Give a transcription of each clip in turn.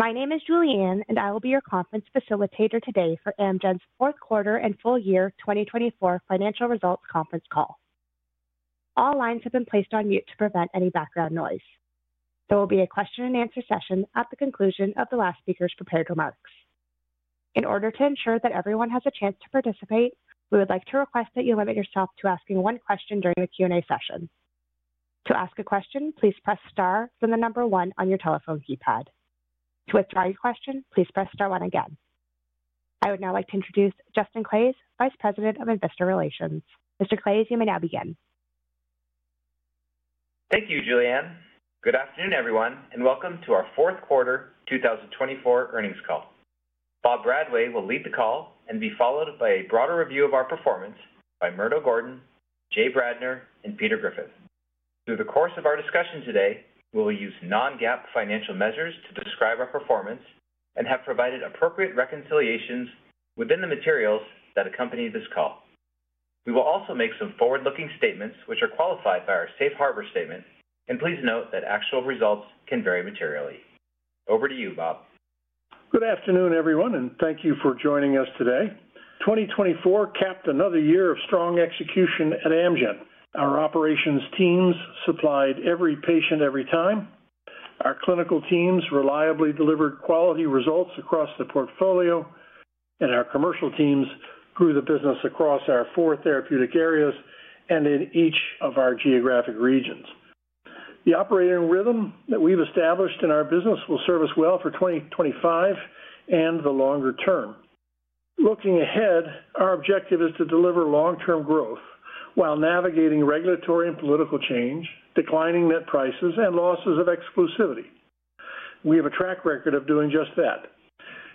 My name is Julianne, and I will be your conference facilitator today for Amgen's fourth quarter and full year 2024 financial results conference call. All lines have been placed on mute to prevent any background noise. There will be a question-and-answer session at the conclusion of the last speaker's prepared remarks. In order to ensure that everyone has a chance to participate, we would like to request that you limit yourself to asking one question during the Q&A session. To ask a question, please press star, then the number one on your telephone keypad. To withdraw your question, please press star one again. I would now like to introduce Justin Claeys, Vice President of Investor Relations. Mr. Claeys, you may now begin. Thank you, Julianne. Good afternoon, everyone, and welcome to our fourth quarter 2024 earnings call. Bob Bradway will lead the call and be followed by a broader review of our performance by Murdo Gordon, Jay Bradner, and Peter Griffith. Through the course of our discussion today, we will use Non-GAAP financial measures to describe our performance and have provided appropriate reconciliations within the materials that accompany this call. We will also make some forward-looking statements, which are qualified by our safe harbor statement, and please note that actual results can vary materially. Over to you, Bob. Good afternoon, everyone, and thank you for joining us today. 2024 capped another year of strong execution at Amgen. Our operations teams supplied every patient every time. Our clinical teams reliably delivered quality results across the portfolio, and our commercial teams grew the business across our four therapeutic areas and in each of our geographic regions. The operating rhythm that we've established in our business will serve us well for 2025 and the longer term. Looking ahead, our objective is to deliver long-term growth while navigating regulatory and political change, declining net prices, and losses of exclusivity. We have a track record of doing just that.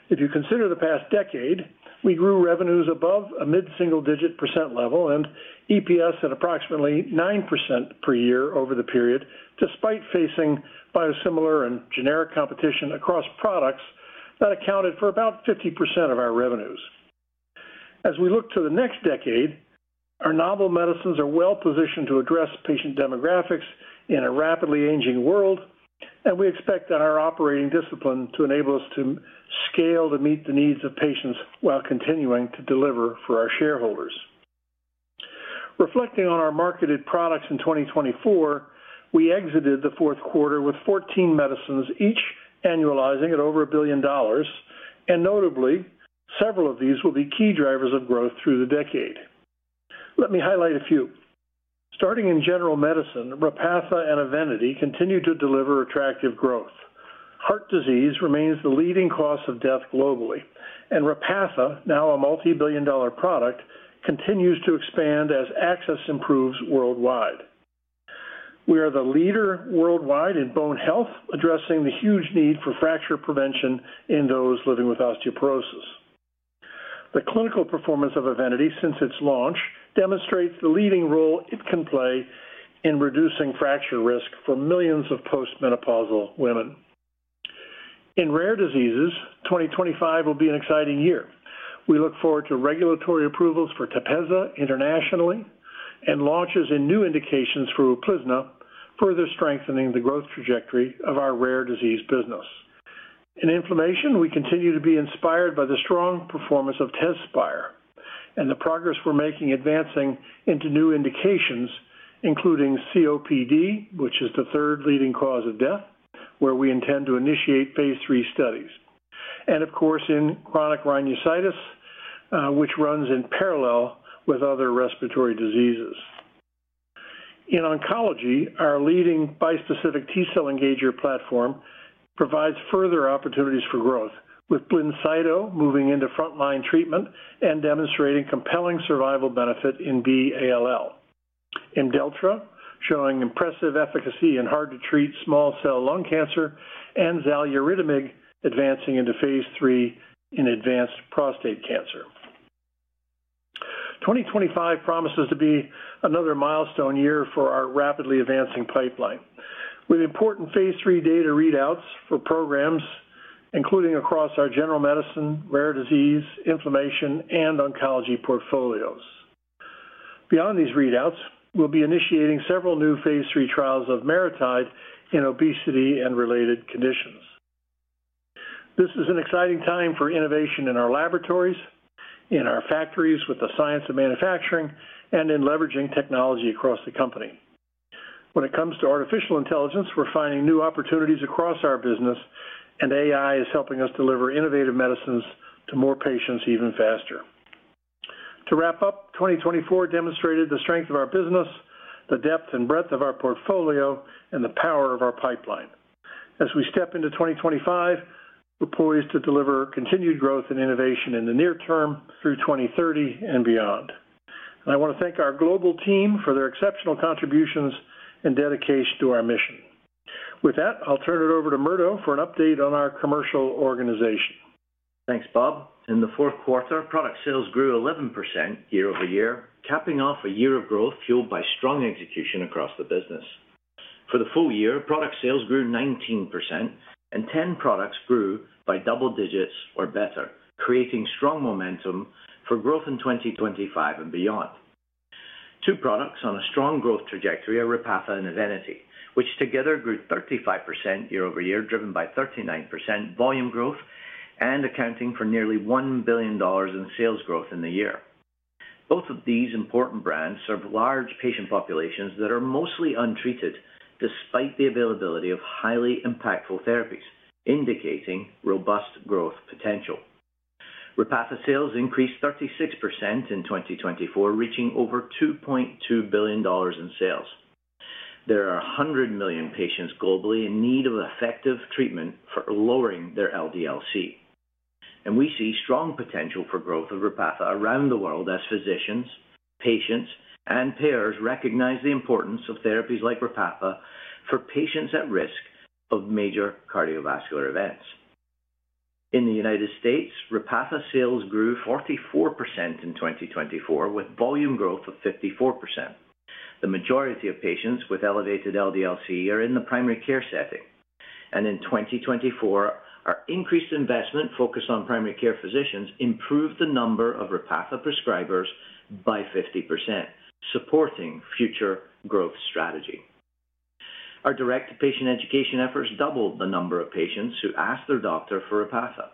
If you consider the past decade, we grew revenues above a mid-single-digit % level and EPS at approximately 9% per year over the period, despite facing biosimilar and generic competition across products that accounted for about 50% of our revenues. As we look to the next decade, our novel medicines are well-positioned to address patient demographics in a rapidly aging world, and we expect that our operating discipline to enable us to scale to meet the needs of patients while continuing to deliver for our shareholders. Reflecting on our marketed products in 2024, we exited the fourth quarter with 14 medicines, each annualizing at over $1 billion, and notably, several of these will be key drivers of growth through the decade. Let me highlight a few. Starting in general medicine, Repatha and Evenity continue to deliver attractive growth. Heart disease remains the leading cause of death globally, and Repatha, now a multi-billion-dollar product, continues to expand as access improves worldwide. We are the leader worldwide in bone health, addressing the huge need for fracture prevention in those living with osteoporosis. The clinical performance of Evenity since its launch demonstrates the leading role it can play in reducing fracture risk for millions of postmenopausal women. In rare diseases, 2025 will be an exciting year. We look forward to regulatory approvals for Tepezza internationally and launches in new indications for Uplizna, further strengthening the growth trajectory of our rare disease business. In inflammation, we continue to be inspired by the strong performance of Tezspire and the progress we're making advancing into new indications, including COPD, which is the third leading cause of death, where we intend to initiate phase 3 studies, and of course, in chronic rhinosinusitis, which runs in parallel with other respiratory diseases. In oncology, our leading bispecific T-cell engager platform provides further opportunities for growth, with Blincyto moving into frontline treatment and demonstrating compelling survival benefit in B-ALL. Imdeltra, showing impressive efficacy in hard-to-treat small cell lung cancer, and xaluritamig advancing into phase three in advanced prostate cancer. 2025 promises to be another milestone year for our rapidly advancing pipeline, with important phase three data readouts for programs, including across our general medicine, rare disease, inflammation, and oncology portfolios. Beyond these readouts, we'll be initiating several new phase three trials of MariTide in obesity and related conditions. This is an exciting time for innovation in our laboratories, in our factories with the science of manufacturing, and in leveraging technology across the company. When it comes to artificial intelligence, we're finding new opportunities across our business, and AI is helping us deliver innovative medicines to more patients even faster. To wrap up, 2024 demonstrated the strength of our business, the depth and breadth of our portfolio, and the power of our pipeline. As we step into 2025, we're poised to deliver continued growth and innovation in the near term through 2030 and beyond. And I want to thank our global team for their exceptional contributions and dedication to our mission. With that, I'll turn it over to Murdo for an update on our commercial organization. Thanks, Bob. In the fourth quarter, product sales grew 11% year over year, capping off a year of growth fueled by strong execution across the business. For the full year, product sales grew 19%, and 10 products grew by double digits or better, creating strong momentum for growth in 2025 and beyond. Two products on a strong growth trajectory are Repatha and Evenity, which together grew 35% year over year, driven by 39% volume growth and accounting for nearly $1 billion in sales growth in the year. Both of these important brands serve large patient populations that are mostly untreated despite the availability of highly impactful therapies, indicating robust growth potential. Repatha sales increased 36% in 2024, reaching over $2.2 billion in sales. There are 100 million patients globally in need of effective treatment for lowering their LDL-C. We see strong potential for growth of Repatha around the world as physicians, patients, and payers recognize the importance of therapies like Repatha for patients at risk of major cardiovascular events. In the United States, Repatha sales grew 44% in 2024, with volume growth of 54%. The majority of patients with elevated LDL-C are in the primary care setting. In 2024, our increased investment focused on primary care physicians improved the number of Repatha prescribers by 50%, supporting future growth strategy. Our direct patient education efforts doubled the number of patients who asked their doctor for Repatha.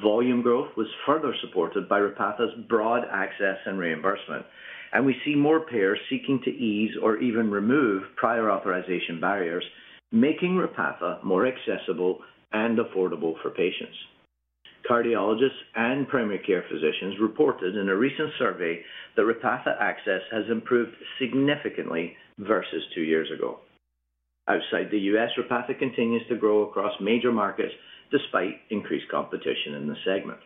Volume growth was further supported by Repatha's broad access and reimbursement, and we see more payers seeking to ease or even remove prior authorization barriers, making Repatha more accessible and affordable for patients. Cardiologists and primary care physicians reported in a recent survey that Repatha access has improved significantly versus two years ago. Outside the U.S., Repatha continues to grow across major markets despite increased competition in the segment.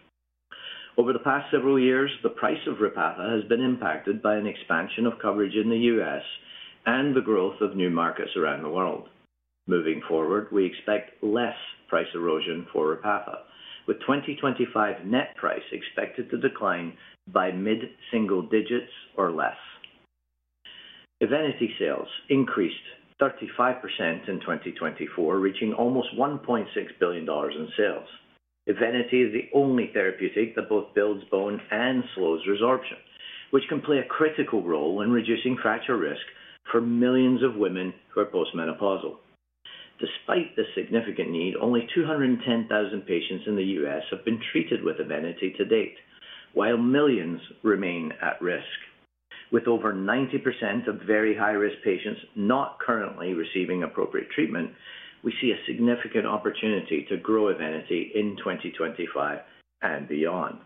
Over the past several years, the price of Repatha has been impacted by an expansion of coverage in the U.S. and the growth of new markets around the world. Moving forward, we expect less price erosion for Repatha, with 2025 net price expected to decline by mid-single digits or less. Evenity sales increased 35% in 2024, reaching almost $1.6 billion in sales. Evenity is the only therapeutic that both builds bone and slows resorption, which can play a critical role in reducing fracture risk for millions of women who are postmenopausal. Despite the significant need, only 210,000 patients in the U.S. have been treated with Evenity to date, while millions remain at risk. With over 90% of very high-risk patients not currently receiving appropriate treatment, we see a significant opportunity to grow Evenity in 2025 and beyond.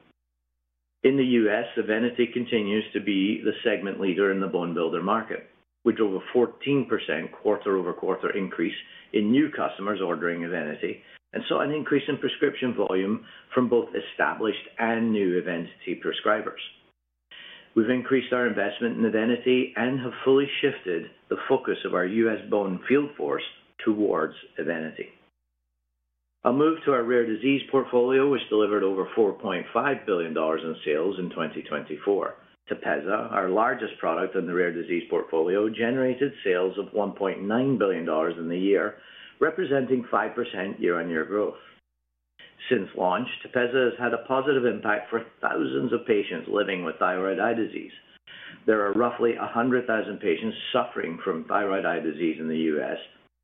In the U.S., Evenity continues to be the segment leader in the bone builder market. We drove a 14% quarter-over-quarter increase in new customers ordering Evenity and saw an increase in prescription volume from both established and new Evenity prescribers. We've increased our investment in Evenity and have fully shifted the focus of our U.S. bone field force towards Evenity. A move to our rare disease portfolio was delivered over $4.5 billion in sales in 2024. Tepezza, our largest product in the rare disease portfolio, generated sales of $1.9 billion in the year, representing 5% year-on-year growth. Since launch, Tepezza has had a positive impact for thousands of patients living with thyroid eye disease. There are roughly 100,000 patients suffering from thyroid eye disease in the U.S.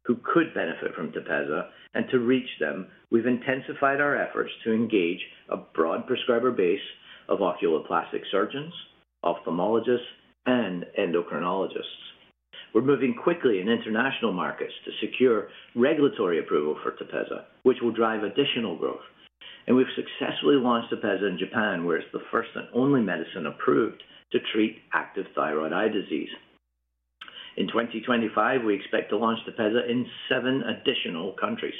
who could benefit from Tepezza, and to reach them, we've intensified our efforts to engage a broad prescriber base of oculoplastic surgeons, ophthalmologists, and endocrinologists. We're moving quickly in international markets to secure regulatory approval for Tepezza, which will drive additional growth, and we've successfully launched Tepezza in Japan, where it's the first and only medicine approved to treat active thyroid eye disease. In 2025, we expect to launch Tepezza in seven additional countries.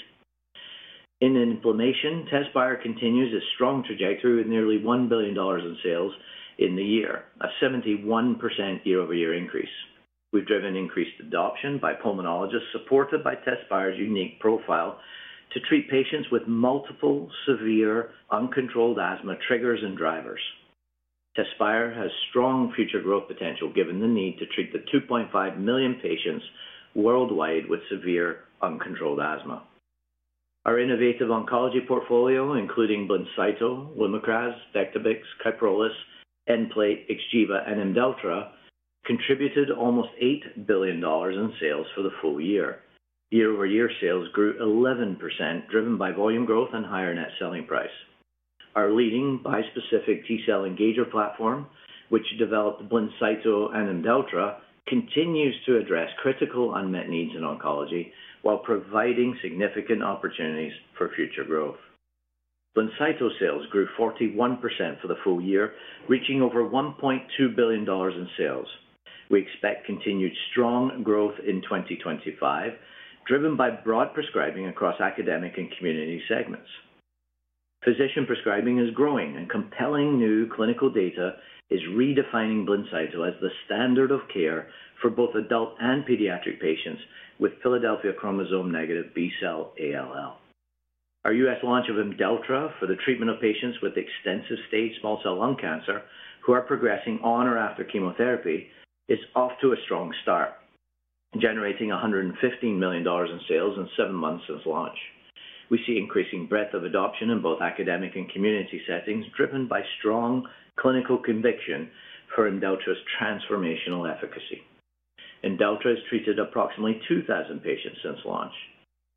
In inflammation, Tezspire continues a strong trajectory with nearly $1 billion in sales in the year, a 71% year-over-year increase. We've driven increased adoption by pulmonologists supported by Tezspire's unique profile to treat patients with multiple severe uncontrolled asthma triggers and drivers. Tezspire has strong future growth potential given the need to treat the 2.5 million patients worldwide with severe uncontrolled asthma. Our innovative oncology portfolio, including Blincyto and Lumakras, Vectibix, Kyprolis, Nplate, Xgeva, and Imdeltra, contributed almost $8 billion in sales for the full year. Year-over-year sales grew 11%, driven by volume growth and higher net selling price. Our leading bispecific T-cell engager platform, which developed Blincyto and Imdeltra, continues to address critical unmet needs in oncology while providing significant opportunities for future growth. Blincyto sales grew 41% for the full year, reaching over $1.2 billion in sales. We expect continued strong growth in 2025, driven by broad prescribing across academic and community segments. Physician prescribing is growing, and compelling new clinical data is redefining Blincyto as the standard of care for both adult and pediatric patients with Philadelphia chromosome-negative B-cell ALL. Our U.S. launch of Imdeltra for the treatment of patients with extensive stage small cell lung cancer who are progressing on or after chemotherapy is off to a strong start, generating $115 million in sales in seven months since launch. We see increasing breadth of adoption in both academic and community settings, driven by strong clinical conviction for Imdeltra's transformational efficacy. Imdeltra has treated approximately 2,000 patients since launch.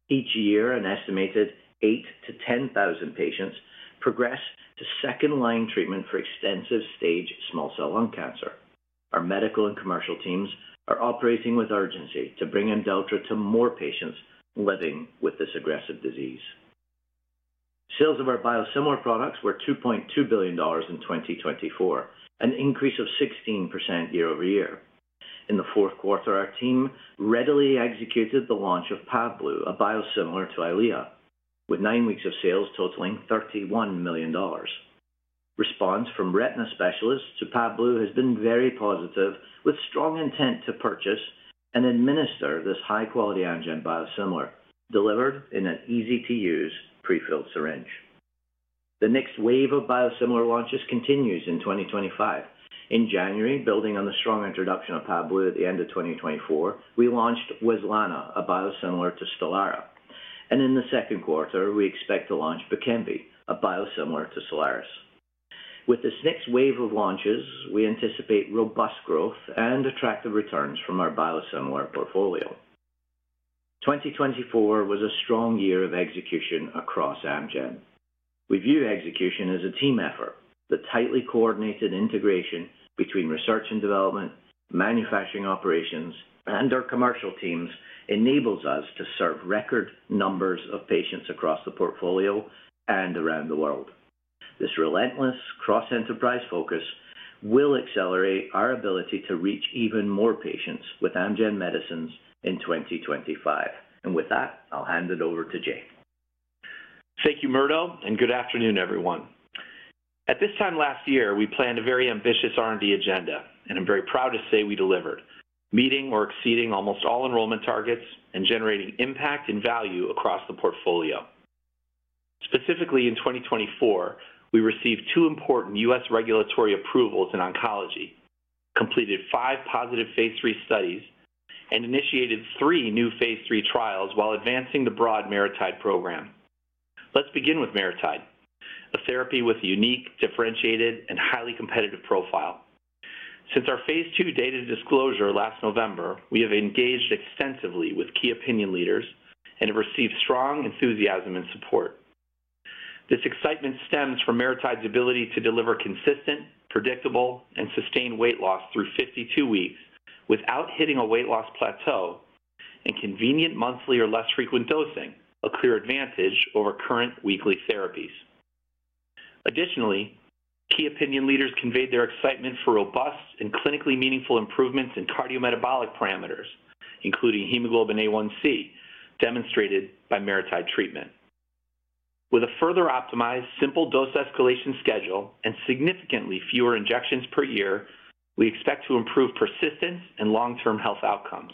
Each year, an estimated 8,000 to 10,000 patients progress to second-line treatment for extensive stage small cell lung cancer. Our medical and commercial teams are operating with urgency to bring Imdeltra to more patients living with this aggressive disease. Sales of our biosimilar products were $2.2 billion in 2024, an increase of 16% year-over-year. In the fourth quarter, our team readily executed the launch of Pavblu, a biosimilar to Eylea, with nine weeks of sales totaling $31 million. Response from retina specialists to Pavblu has been very positive, with strong intent to purchase and administer this high-quality antigen biosimilar delivered in an easy-to-use prefilled syringe. The next wave of biosimilar launches continues in 2025. In January, building on the strong introduction of Pavblu at the end of 2024, we launched Wezlana, a biosimilar to Stelara. And in the second quarter, we expect to launch Bkemv, a biosimilar to Soliris. With this next wave of launches, we anticipate robust growth and attractive returns from our biosimilar portfolio. 2024 was a strong year of execution across Amgen. We view execution as a team effort. The tightly coordinated integration between research and development, manufacturing operations, and our commercial teams enables us to serve record numbers of patients across the portfolio and around the world. This relentless cross-enterprise focus will accelerate our ability to reach even more patients with Amgen Medicines in 2025. And with that, I'll hand it over to Jay. Thank you, Murdo, and good afternoon, everyone. At this time last year, we planned a very ambitious R&D agenda, and I'm very proud to say we delivered, meeting or exceeding almost all enrollment targets and generating impact and value across the portfolio. Specifically, in 2024, we received two important U.S. regulatory approvals in oncology, completed five positive phase 3 studies, and initiated three new phase 3 trials while advancing the broad MariTide program. Let's begin with MariTide, a therapy with a unique, differentiated, and highly competitive profile. Since our phase 2 data disclosure last November, we have engaged extensively with key opinion leaders and have received strong enthusiasm and support. This excitement stems from MariTide's ability to deliver consistent, predictable, and sustained weight loss through 52 weeks without hitting a weight loss plateau and convenient monthly or less frequent dosing, a clear advantage over current weekly therapies. Additionally, key opinion leaders conveyed their excitement for robust and clinically meaningful improvements in cardiometabolic parameters, including hemoglobin A1c, demonstrated by MariTide treatment. With a further optimized simple dose escalation schedule and significantly fewer injections per year, we expect to improve persistence and long-term health outcomes.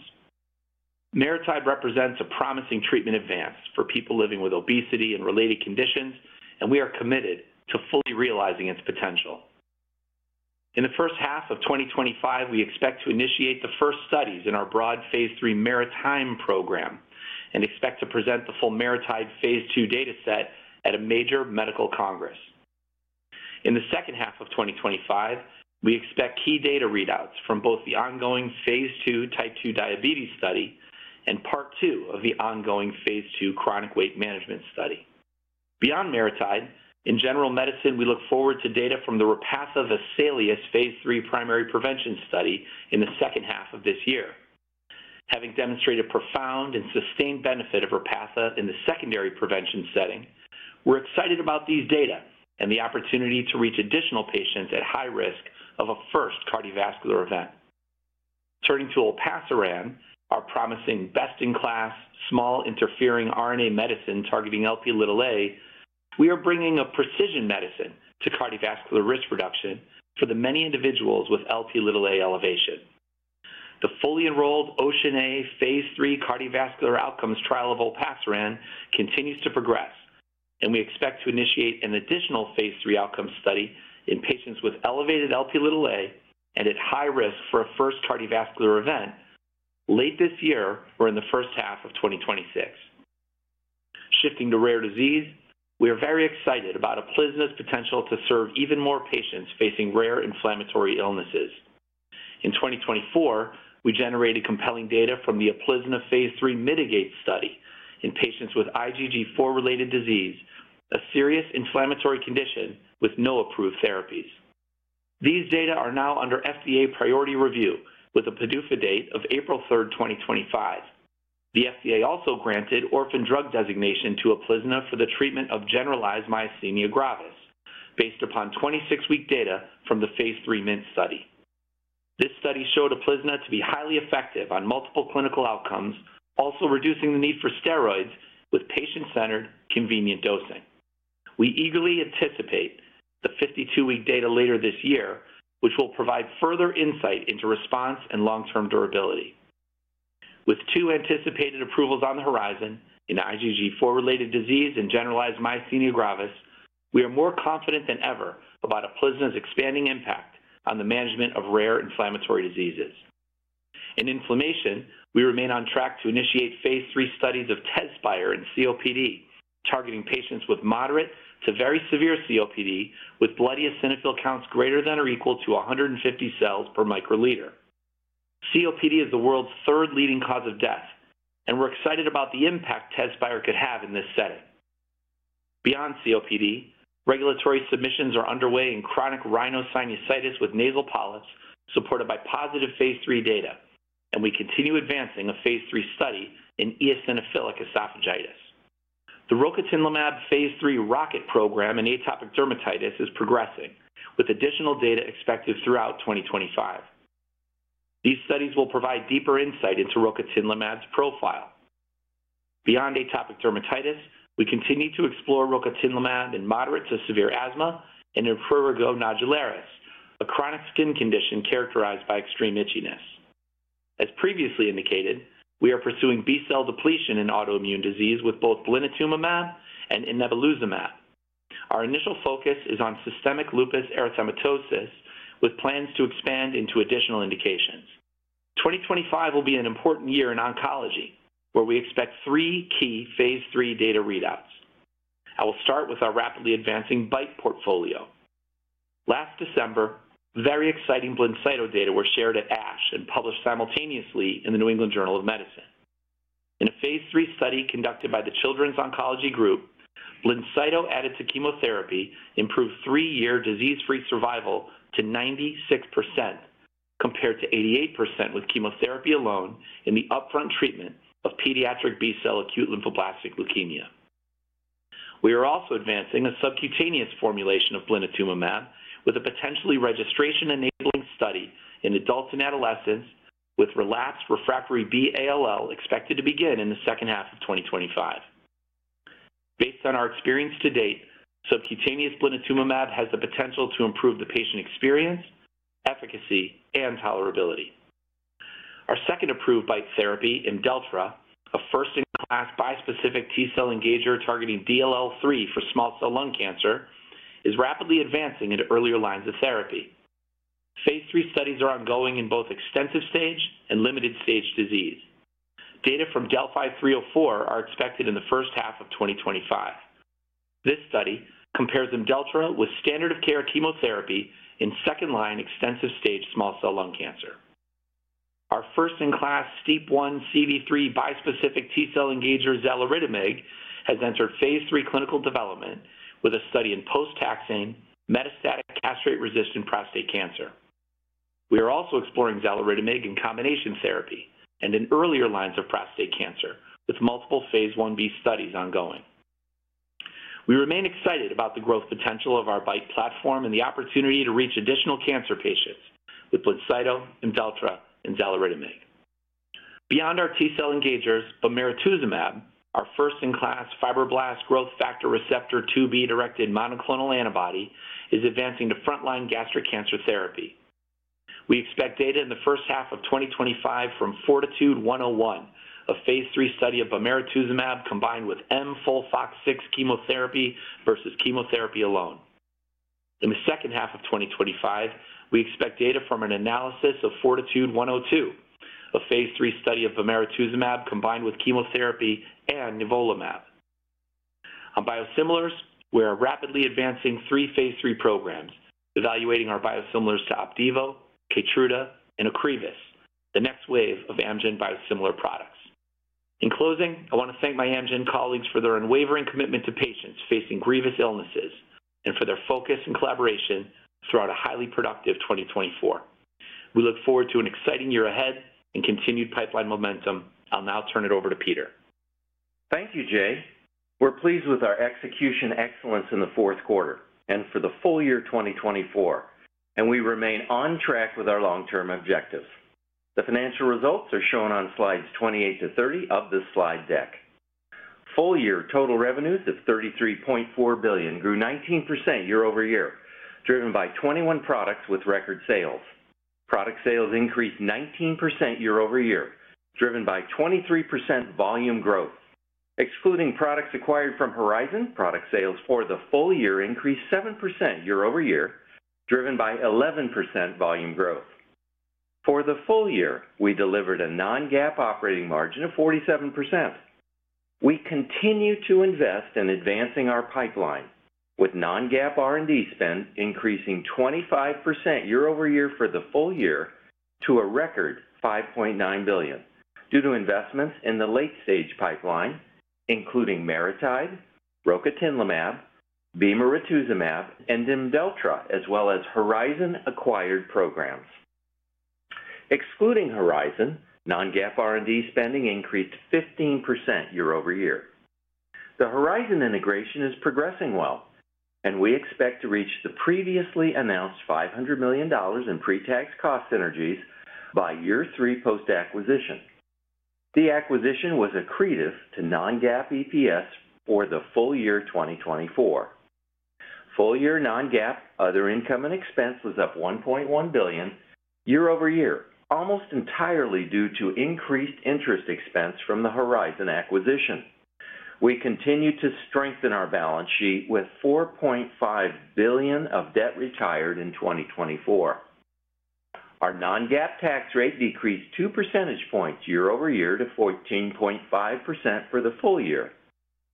MariTide represents a promising treatment advance for people living with obesity and related conditions, and we are committed to fully realizing its potential. In the first half of 2025, we expect to initiate the first studies in our broad phase 3 MariTide program and expect to present the full MariTide phase 2 data set at a major medical congress. In the second half of 2025, we expect key data readouts from both the ongoing phase 2 type 2 diabetes study and part two of the ongoing phase 2 chronic weight management study. Beyond MariTide, in general medicine, we look forward to data from the Repatha VESALIUS-CV phase three primary prevention study in the second half of this year. Having demonstrated profound and sustained benefit of Repatha in the secondary prevention setting, we're excited about these data and the opportunity to reach additional patients at high risk of a first cardiovascular event. Turning to olpaciran, our promising best-in-class small interfering RNA medicine targeting Lp(a) levels, we are bringing a precision medicine to cardiovascular risk reduction for the many individuals with Lp(a) elevation. The fully enrolled OCEAN(a) phase three cardiovascular outcomes trial of olpaciran continues to progress, and we expect to initiate an additional phase three outcome study in patients with elevated Lp(a) and at high risk for a first cardiovascular event late this year or in the first half of 2026. Shifting to rare disease, we are very excited about Uplizna's potential to serve even more patients facing rare inflammatory illnesses. In 2024, we generated compelling data from the Uplizna phase 3 MITIGATE study in patients with IgG4-related disease, a serious inflammatory condition with no approved therapies. These data are now under FDA priority review with a PDUFA date of April 3rd, 2025. The FDA also granted orphan drug designation to Uplizna for the treatment of generalized myasthenia gravis, based upon 26-week data from the phase 3 MINT study. This study showed Uplizna to be highly effective on multiple clinical outcomes, also reducing the need for steroids with patient-centered, convenient dosing. We eagerly anticipate the 52-week data later this year, which will provide further insight into response and long-term durability. With two anticipated approvals on the horizon in IgG4-related disease and generalized myasthenia gravis, we are more confident than ever about Uplizna's expanding impact on the management of rare inflammatory diseases. In inflammation, we remain on track to initiate phase 3 studies of Tezspire in COPD, targeting patients with moderate to very severe COPD with blood eosinophil counts greater than or equal to 150 cells per microliter. COPD is the world's third leading cause of death, and we're excited about the impact Tezspire could have in this setting. Beyond COPD, regulatory submissions are underway in chronic rhinosinusitis with nasal polyps supported by positive phase 3 data, and we continue advancing a phase 3 study in eosinophilic esophagitis. The rocatinlimab phase 3 ROCKET program in atopic dermatitis is progressing, with additional data expected throughout 2025. These studies will provide deeper insight into rocatinlimab's profile. Beyond atopic dermatitis, we continue to explore rocatinlimab in moderate to severe asthma and in Prurigo nodularis, a chronic skin condition characterized by extreme itchiness. As previously indicated, we are pursuing B-cell depletion in autoimmune disease with both blinatumomab and inebilizumab. Our initial focus is on systemic lupus erythematosus, with plans to expand into additional indications. 2025 will be an important year in oncology, where we expect three key phase 3 data readouts. I will start with our rapidly advancing BiTE portfolio. Last December, very exciting Blincyto data were shared at ASH and published simultaneously in the New England Journal of Medicine. In a phase 3 study conducted by the Children's Oncology Group, Blincyto added to chemotherapy improved three-year disease-free survival to 96%, compared to 88% with chemotherapy alone in the upfront treatment of pediatric B-cell acute lymphoblastic leukemia. We are also advancing a subcutaneous formulation of blinatumomab with a potentially registration-enabling study in adults and adolescents, with relapsed refractory B-ALL expected to begin in the second half of 2025. Based on our experience to date, subcutaneous blinatumomab has the potential to improve the patient experience, efficacy, and tolerability. Our second approved BiTE therapy, Imdeltra, a first-in-class bispecific T-cell engager targeting DLL3 for small cell lung cancer, is rapidly advancing into earlier lines of therapy. Phase three studies are ongoing in both extensive stage and limited stage disease. Data from DeLLphi-304 are expected in the first half of 2025. This study compares Imdeltra with standard of care chemotherapy in second-line extensive stage small cell lung cancer. Our first-in-class STEAP1 CD3 bispecific T-cell engager Xaluritamig has entered phase three clinical development with a study in post-taxane, metastatic castrate-resistant prostate cancer. We are also exploring Xaluritamig in combination therapy and in earlier lines of prostate cancer, with multiple phase 1B studies ongoing. We remain excited about the growth potential of our BiTE platform and the opportunity to reach additional cancer patients with Blincyto, Imdeltra, and Xaluritamig. Beyond our T-cell engagers, bemarituzumab, our first-in-class fibroblast growth factor receptor 2b-directed monoclonal antibody, is advancing to front-line gastric cancer therapy. We expect data in the first half of 2025 from Fortitude 101, a phase three study of bemarituzumab combined with mFOLFOX6 chemotherapy versus chemotherapy alone. In the second half of 2025, we expect data from an analysis of Fortitude 102, a phase three study of bemarituzumab combined with chemotherapy and nivolumab. On biosimilars, we are rapidly advancing three phase three programs, evaluating our biosimilars to Opdivo, Keytruda, and Ocrevus, the next wave of Amgen biosimilar products. In closing, I want to thank my Amgen colleagues for their unwavering commitment to patients facing grievous illnesses and for their focus and collaboration throughout a highly productive 2024. We look forward to an exciting year ahead and continued pipeline momentum. I'll now turn it over to Peter. Thank you, Jay. We're pleased with our execution excellence in the fourth quarter and for the full year 2024, and we remain on track with our long-term objectives. The financial results are shown on slides 28 to 30 of this slide deck. Full year total revenues of $33.4 billion grew 19% year-over-year, driven by 21 products with record sales. Product sales increased 19% year-over-year, driven by 23% volume growth. Excluding products acquired from Horizon, product sales for the full year increased 7% year-over-year, driven by 11% volume growth. For the full year, we delivered a non-GAAP operating margin of 47%. We continue to invest in advancing our pipeline, with non-GAAP R&D spend increasing 25% year-over-year for the full year to a record $5.9 billion, due to investments in the late-stage pipeline, including MariTide, Rocatinlimab, Bemarituzumab, and Imdeltra, as well as Horizon acquired programs. Excluding Horizon, non-GAAP R&D spending increased 15% year-over-year. The Horizon integration is progressing well, and we expect to reach the previously announced $500 million in pre-tax cost synergies by year three post-acquisition. The acquisition was accretive to non-GAAP EPS for the full year 2024. Full year non-GAAP other income and expense was up $1.1 billion year-over-year, almost entirely due to increased interest expense from the Horizon acquisition. We continue to strengthen our balance sheet with $4.5 billion of debt retired in 2024. Our non-GAAP tax rate decreased 2 percentage points year-over-year to 14.5% for the full year,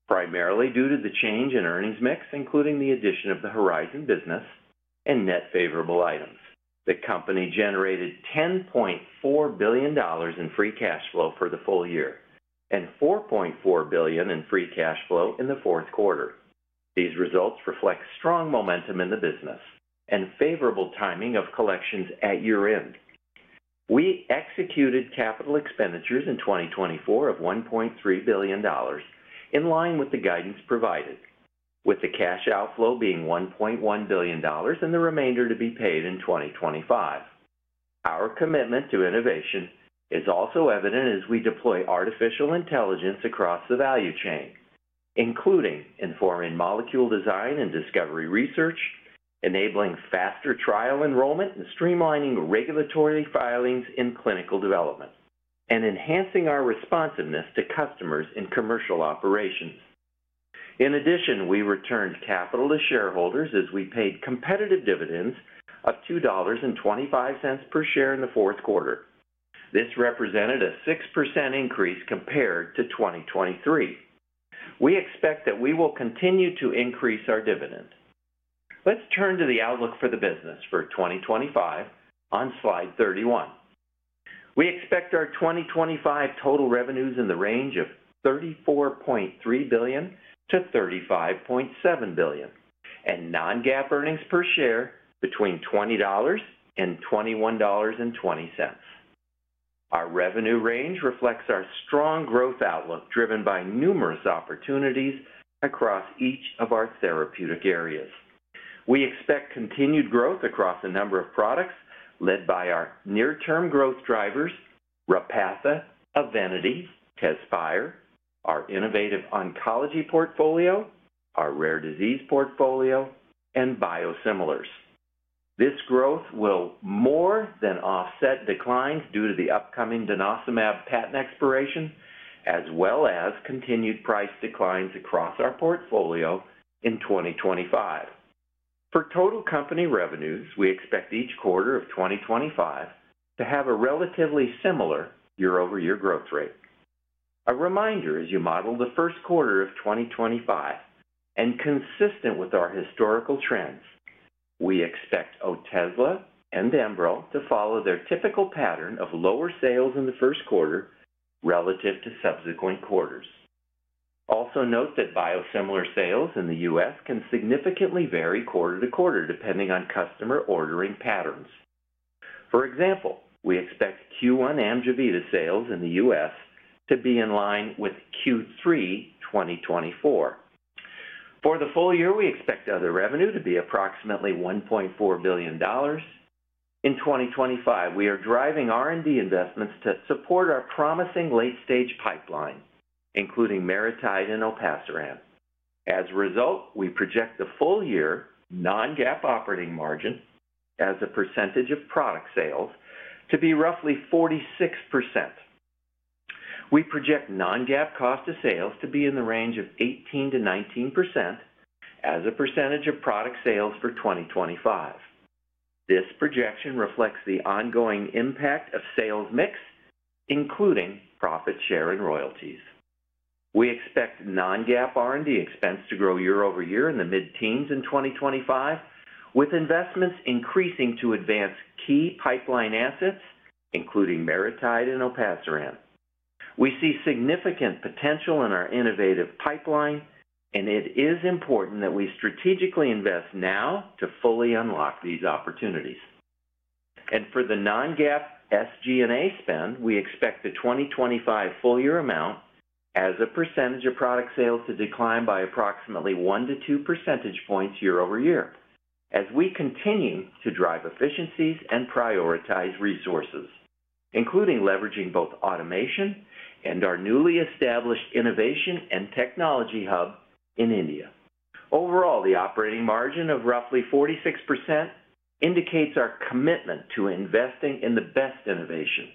primarily due to the change in earnings mix, including the addition of the Horizon business and net favorable items. The company generated $10.4 billion in free cash flow for the full year and $4.4 billion in free cash flow in the fourth quarter. These results reflect strong momentum in the business and favorable timing of collections at year-end. We executed capital expenditures in 2024 of $1.3 billion, in line with the guidance provided, with the cash outflow being $1.1 billion and the remainder to be paid in 2025. Our commitment to innovation is also evident as we deploy artificial intelligence across the value chain, including informing molecule design and discovery research, enabling faster trial enrollment and streamlining regulatory filings in clinical development, and enhancing our responsiveness to customers in commercial operations. In addition, we returned capital to shareholders as we paid competitive dividends of $2.25 per share in the fourth quarter. This represented a 6% increase compared to 2023. We expect that we will continue to increase our dividend. Let's turn to the outlook for the business for 2025 on slide 31. We expect our 2025 total revenues in the range of $34.3 billion-$35.7 billion, and non-GAAP earnings per share between $20 and $21.20. Our revenue range reflects our strong growth outlook driven by numerous opportunities across each of our therapeutic areas. We expect continued growth across a number of products led by our near-term growth drivers, Repatha, Evenity, Tezspire, our innovative oncology portfolio, our rare disease portfolio, and biosimilars. This growth will more than offset declines due to the upcoming denosumab patent expiration, as well as continued price declines across our portfolio in 2025. For total company revenues, we expect each quarter of 2025 to have a relatively similar year-over-year growth rate. A reminder as you model the first quarter of 2025, and consistent with our historical trends, we expect Otezla and Enbrel to follow their typical pattern of lower sales in the first quarter relative to subsequent quarters. Also note that biosimilar sales in the U.S. can significantly vary quarter to quarter depending on customer ordering patterns. For example, we expect Q1 Amjevita sales in the U.S. to be in line with Q3 2024. For the full year, we expect other revenue to be approximately $1.4 billion. In 2025, we are driving R&D investments to support our promising late-stage pipeline, including MariTide and Olpaciran. As a result, we project the full year non-GAAP operating margin as a percentage of product sales to be roughly 46%. We project non-GAAP cost of sales to be in the range of 18%-19% as a percentage of product sales for 2025. This projection reflects the ongoing impact of sales mix, including profit share and royalties. We expect non-GAAP R&D expense to grow year-over-year in the mid-teens in 2025, with investments increasing to advance key pipeline assets, including MariTide and Olpaciran. We see significant potential in our innovative pipeline, and it is important that we strategically invest now to fully unlock these opportunities, and for the Non-GAAP SG&A spend, we expect the 2025 full year amount as a percentage of product sales to decline by approximately 1%-2% year-over-year, as we continue to drive efficiencies and prioritize resources, including leveraging both automation and our newly established innovation and technology hub in India. Overall, the operating margin of roughly 46% indicates our commitment to investing in the best innovation,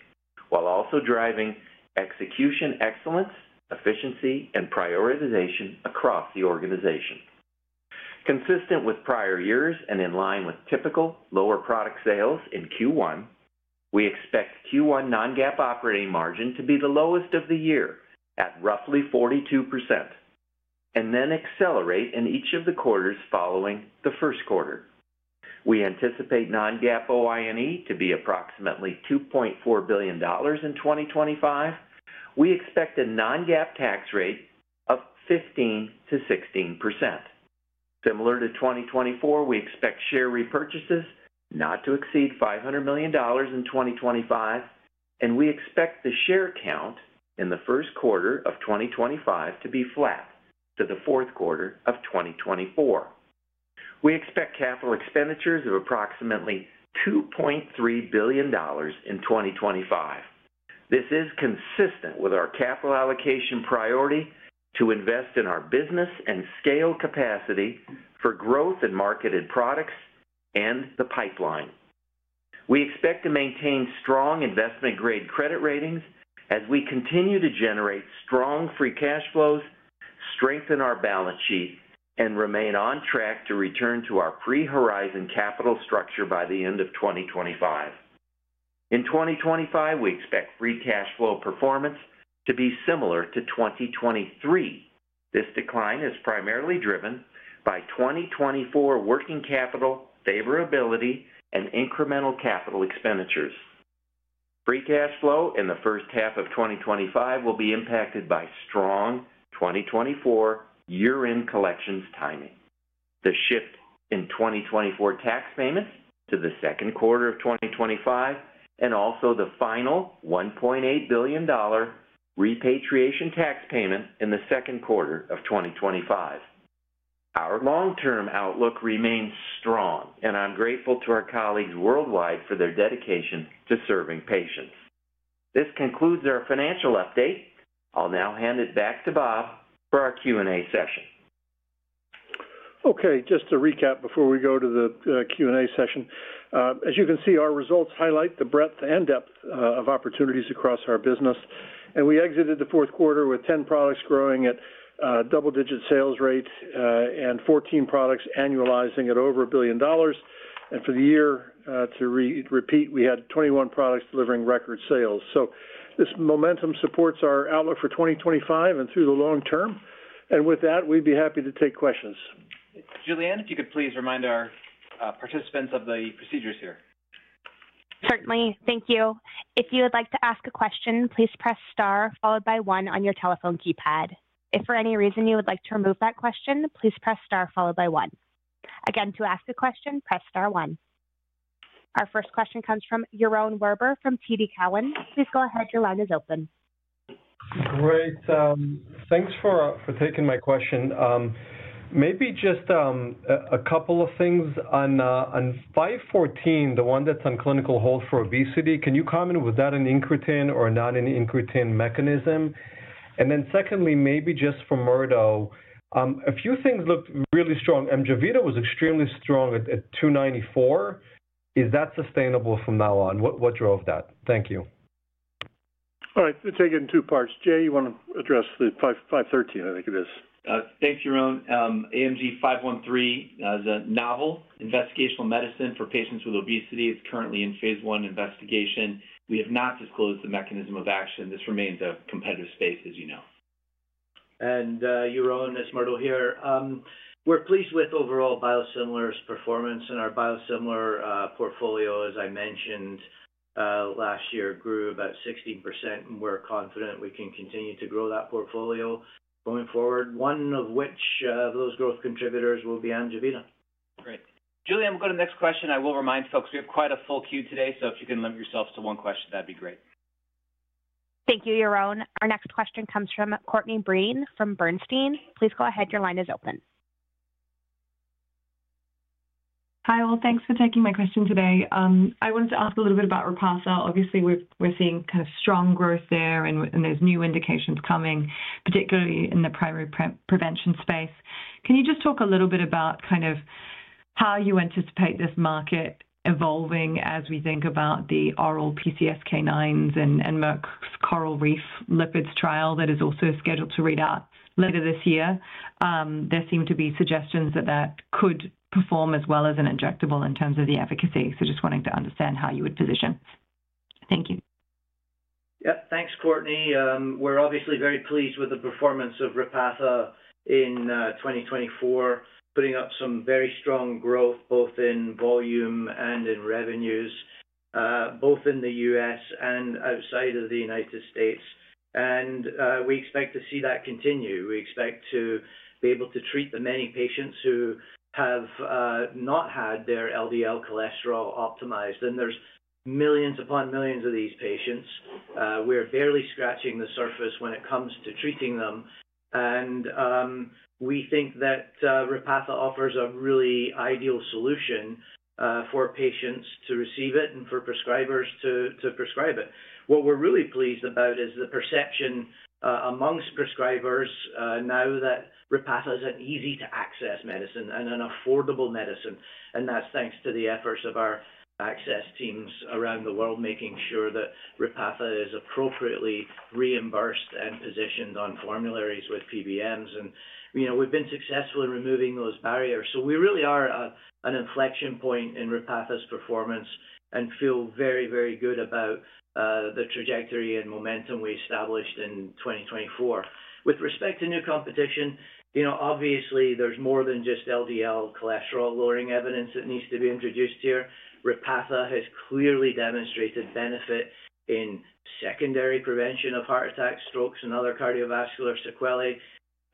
while also driving execution excellence, efficiency, and prioritization across the organization. Consistent with prior years and in line with typical lower product sales in Q1, we expect Q1 Non-GAAP operating margin to be the lowest of the year at roughly 42%, and then accelerate in each of the quarters following the first quarter. We anticipate non-GAAP OINE to be approximately $2.4 billion in 2025. We expect a non-GAAP tax rate of 15%-16%. Similar to 2024, we expect share repurchases not to exceed $500 million in 2025, and we expect the share count in the first quarter of 2025 to be flat to the fourth quarter of 2024. We expect capital expenditures of approximately $2.3 billion in 2025. This is consistent with our capital allocation priority to invest in our business and scale capacity for growth in marketed products and the pipeline. We expect to maintain strong investment-grade credit ratings as we continue to generate strong free cash flows, strengthen our balance sheet, and remain on track to return to our pre-Horizon capital structure by the end of 2025. In 2025, we expect free cash flow performance to be similar to 2023. This decline is primarily driven by 2024 working capital favorability and incremental capital expenditures. Free cash flow in the first half of 2025 will be impacted by strong 2024 year-end collections timing, the shift in 2024 tax payments to the second quarter of 2025, and also the final $1.8 billion repatriation tax payment in the second quarter of 2025. Our long-term outlook remains strong, and I'm grateful to our colleagues worldwide for their dedication to serving patients. This concludes our financial update. I'll now hand it back to Bob for our Q&A session. Okay, just to recap before we go to the Q&A session. As you can see, our results highlight the breadth and depth of opportunities across our business. And we exited the fourth quarter with 10 products growing at double-digit sales rate and 14 products annualizing at over $1 billion. And for the year, to repeat, we had 21 products delivering record sales. So this momentum supports our outlook for 2025 and through the long term. And with that, we'd be happy to take questions. Julianne, if you could please remind our participants of the procedures here. Certainly, thank you. If you would like to ask a question, please press star followed by one on your telephone keypad. If for any reason you would like to remove that question, please press star followed by one. Again, to ask a question, press star one. Our first question comes from Yaron Werber from TD Cowen. Please go ahead. Your line is open. Great. Thanks for taking my question. Maybe just a couple of things on 514, the one that's on clinical hold for obesity. Can you comment, was that an incretin or not an incretin mechanism? And then secondly, maybe just for Murdo, a few things looked really strong. Amjevita was extremely strong at 294. Is that sustainable from now on? What drove that? Thank you. All right, take it in two parts. Jay, you want to address the 513, I think it is. Thanks, Yaron. AMG 513 is a novel investigational medicine for patients with obesity. It's currently in phase one investigation. We have not disclosed the mechanism of action. This remains a competitive space, as you know. Yaron, it's Murdo here. We're pleased with overall biosimilars' performance, and our biosimilar portfolio, as I mentioned last year, grew about 16%, and we're confident we can continue to grow that portfolio going forward, one of which of those growth contributors will be Amjevita. Great. Julianne, we'll go to the next question. I will remind folks we have quite a full queue today, so if you can limit yourself to one question, that'd be great. Thank you, Yaron. Our next question comes from Courtney Breen from Bernstein. Please go ahead. Your line is open. Hi, well, thanks for taking my question today. I wanted to ask a little bit about Repatha. Obviously, we're seeing kind of strong growth there, and there's new indications coming, particularly in the primary prevention space. Can you just talk a little bit about kind of how you anticipate this market evolving as we think about the oral PCSK9s and Merck's CORALreef lipids trial that is also scheduled to read out later this year? There seem to be suggestions that that could perform as well as an injectable in terms of the efficacy. So just wanting to understand how you would position. Thank you. Yep, thanks, Courtney. We're obviously very pleased with the performance of Repatha in 2024, putting up some very strong growth both in volume and in revenues, both in the U.S. and outside of the United States. And we expect to see that continue. We expect to be able to treat the many patients who have not had their LDL cholesterol optimized. And there's millions upon millions of these patients. We're barely scratching the surface when it comes to treating them. And we think that Repatha offers a really ideal solution for patients to receive it and for prescribers to prescribe it. What we're really pleased about is the perception amongst prescribers now that Repatha is an easy-to-access medicine and an affordable medicine. And that's thanks to the efforts of our access teams around the world making sure that Repatha is appropriately reimbursed and positioned on formularies with PBMs. We've been successful in removing those barriers. We really are an inflection point in Repatha's performance and feel very, very good about the trajectory and momentum we established in 2024. With respect to new competition, obviously, there's more than just LDL cholesterol-lowering evidence that needs to be introduced here. Repatha has clearly demonstrated benefit in secondary prevention of heart attacks, strokes, and other cardiovascular sequelae.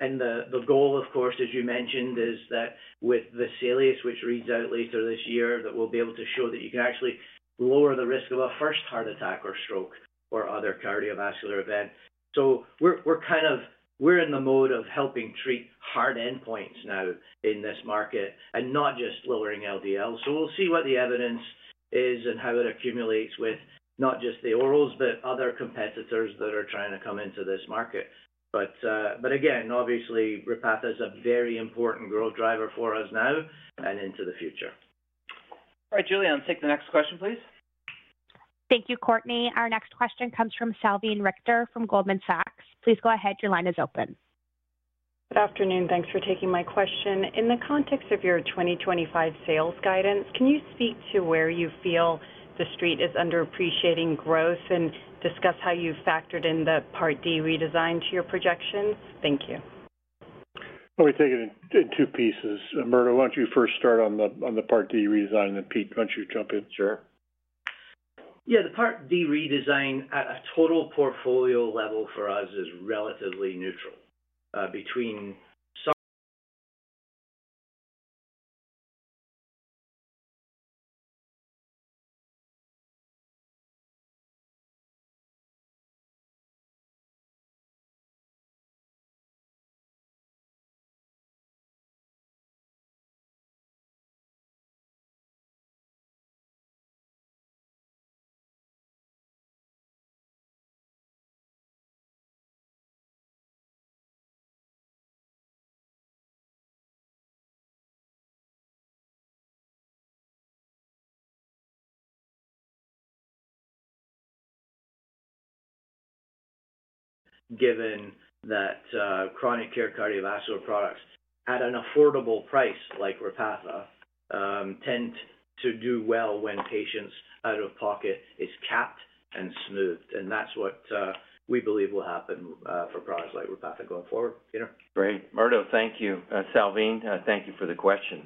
The goal, of course, as you mentioned, is that with the salience, which reads out later this year, that we'll be able to show that you can actually lower the risk of a first heart attack or stroke or other cardiovascular event. We're kind of in the mode of helping treat hard endpoints now in this market and not just lowering LDL. So we'll see what the evidence is and how it accumulates with not just the orals, but other competitors that are trying to come into this market. But again, obviously, Repatha is a very important growth driver for us now and into the future. All right, Julianne, take the next question, please. Thank you, Courtney. Our next question comes from Salveen Richter from Goldman Sachs. Please go ahead. Your line is open. Good afternoon. Thanks for taking my question. In the context of your 2025 sales guidance, can you speak to where you feel the street is underappreciating growth and discuss how you factored in the Part D redesign to your projections? Thank you. We take it in two pieces. Murdo, why don't you first start on the Part D redesign, and then Pete, why don't you jump in? Sure. Yeah, the Part D redesign at a total portfolio level for us is relatively neutral between some, given that chronic care cardiovascular products at an affordable price like Repatha tend to do well when patients' out-of-pocket is capped and smoothed, and that's what we believe will happen for products like Repatha going forward. Great. Murdo, thank you. Salveen, thank you for the question.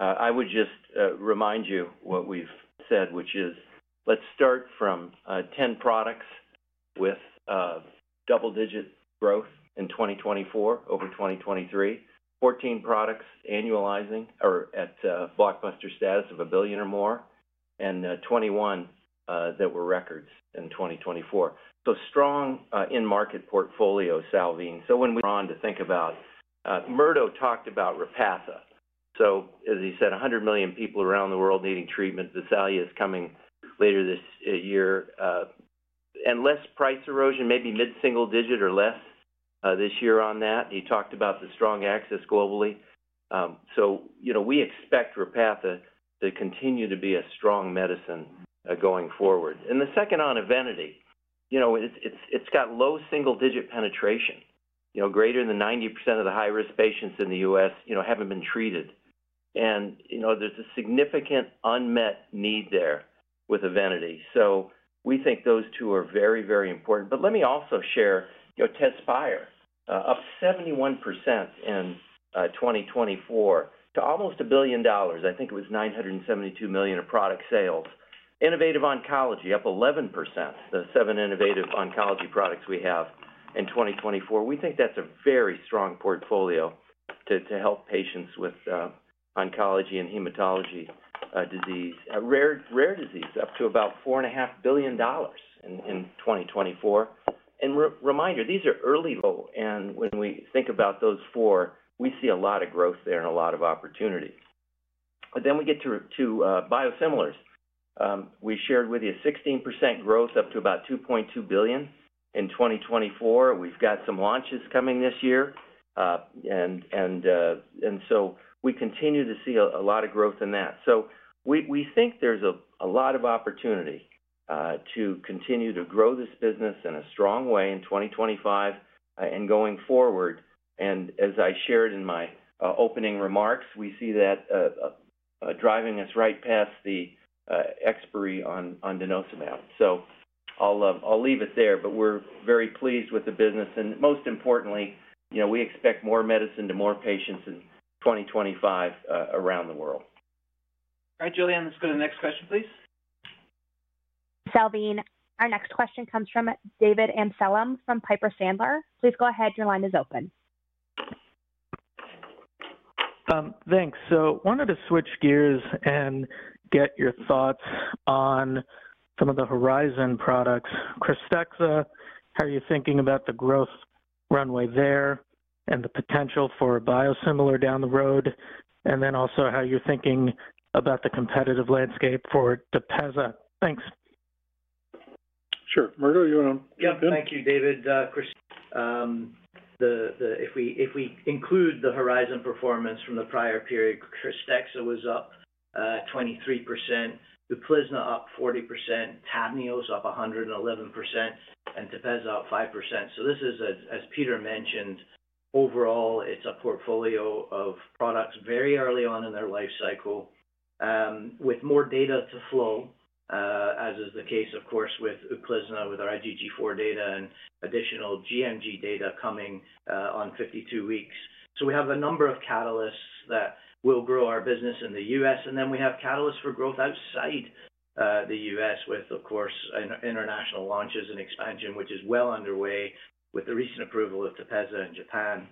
I would just remind you what we've said, which is let's start from 10 products with double-digit growth in 2024 over 2023, 14 products annualizing or at blockbuster status of $1 billion or more, and 21 that were records in 2024, so strong in-market portfolio, Salveen. So when we're on to think about Murdo talked about Repatha, so as he said, 100 million people around the world needing treatment. Vesalia is coming later this year. And less price erosion, maybe mid-single digit or less this year on that. He talked about the strong access globally. So we expect Repatha to continue to be a strong medicine going forward. And the second on Evenity, it's got low single-digit penetration, greater than 90% of the high-risk patients in the U.S. haven't been treated. And there's a significant unmet need there with Evenity. So we think those two are very, very important. But let me also share Tezspire, up 71% in 2024 to almost $1 billion. I think it was $972 million of product sales. Innovative Oncology, up 11%, the seven innovative oncology products we have in 2024. We think that's a very strong portfolio to help patients with oncology and hematology disease. Rare disease, up to about $4.5 billion in 2024. And reminder, these are early. And when we think about those four, we see a lot of growth there and a lot of opportunity. Then we get to biosimilars. We shared with you 16% growth up to about $2.2 billion in 2024. We've got some launches coming this year. And so we continue to see a lot of growth in that. So we think there's a lot of opportunity to continue to grow this business in a strong way in 2025 and going forward. And as I shared in my opening remarks, we see that driving us right past the expiry on Denosumab. So I'll leave it there, but we're very pleased with the business. And most importantly, we expect more medicine to more patients in 2025 around the world. All right, Julianne, let's go to the next question, please. Salveen, our next question comes from David Amsellem from Piper Sandler. Please go ahead. Your line is open. Thanks. So wanted to switch gears and get your thoughts on some of the Horizon products. Krystexxa, how are you thinking about the growth runway there and the potential for a biosimilar down the road? And then also how you're thinking about the competitive landscape for Tepezza? Thanks. Sure. Murdo, you want to jump in? Yeah, thank you, David. Chris, if we include the Horizon performance from the prior period, Krystexxa was up 23%, Uplizna up 40%, Tavneos up 111%, and Tepezza up 5%, so this is, as Peter mentioned, overall, it's a portfolio of products very early on in their life cycle with more data to flow, as is the case, of course, with Uplizna with our IgG4 data and additional gMG data coming on 52 weeks. So we have a number of catalysts that will grow our business in the U.S., and then we have catalysts for growth outside the U.S. with, of course, international launches and expansion, which is well underway with the recent approval of Tepezza in Japan.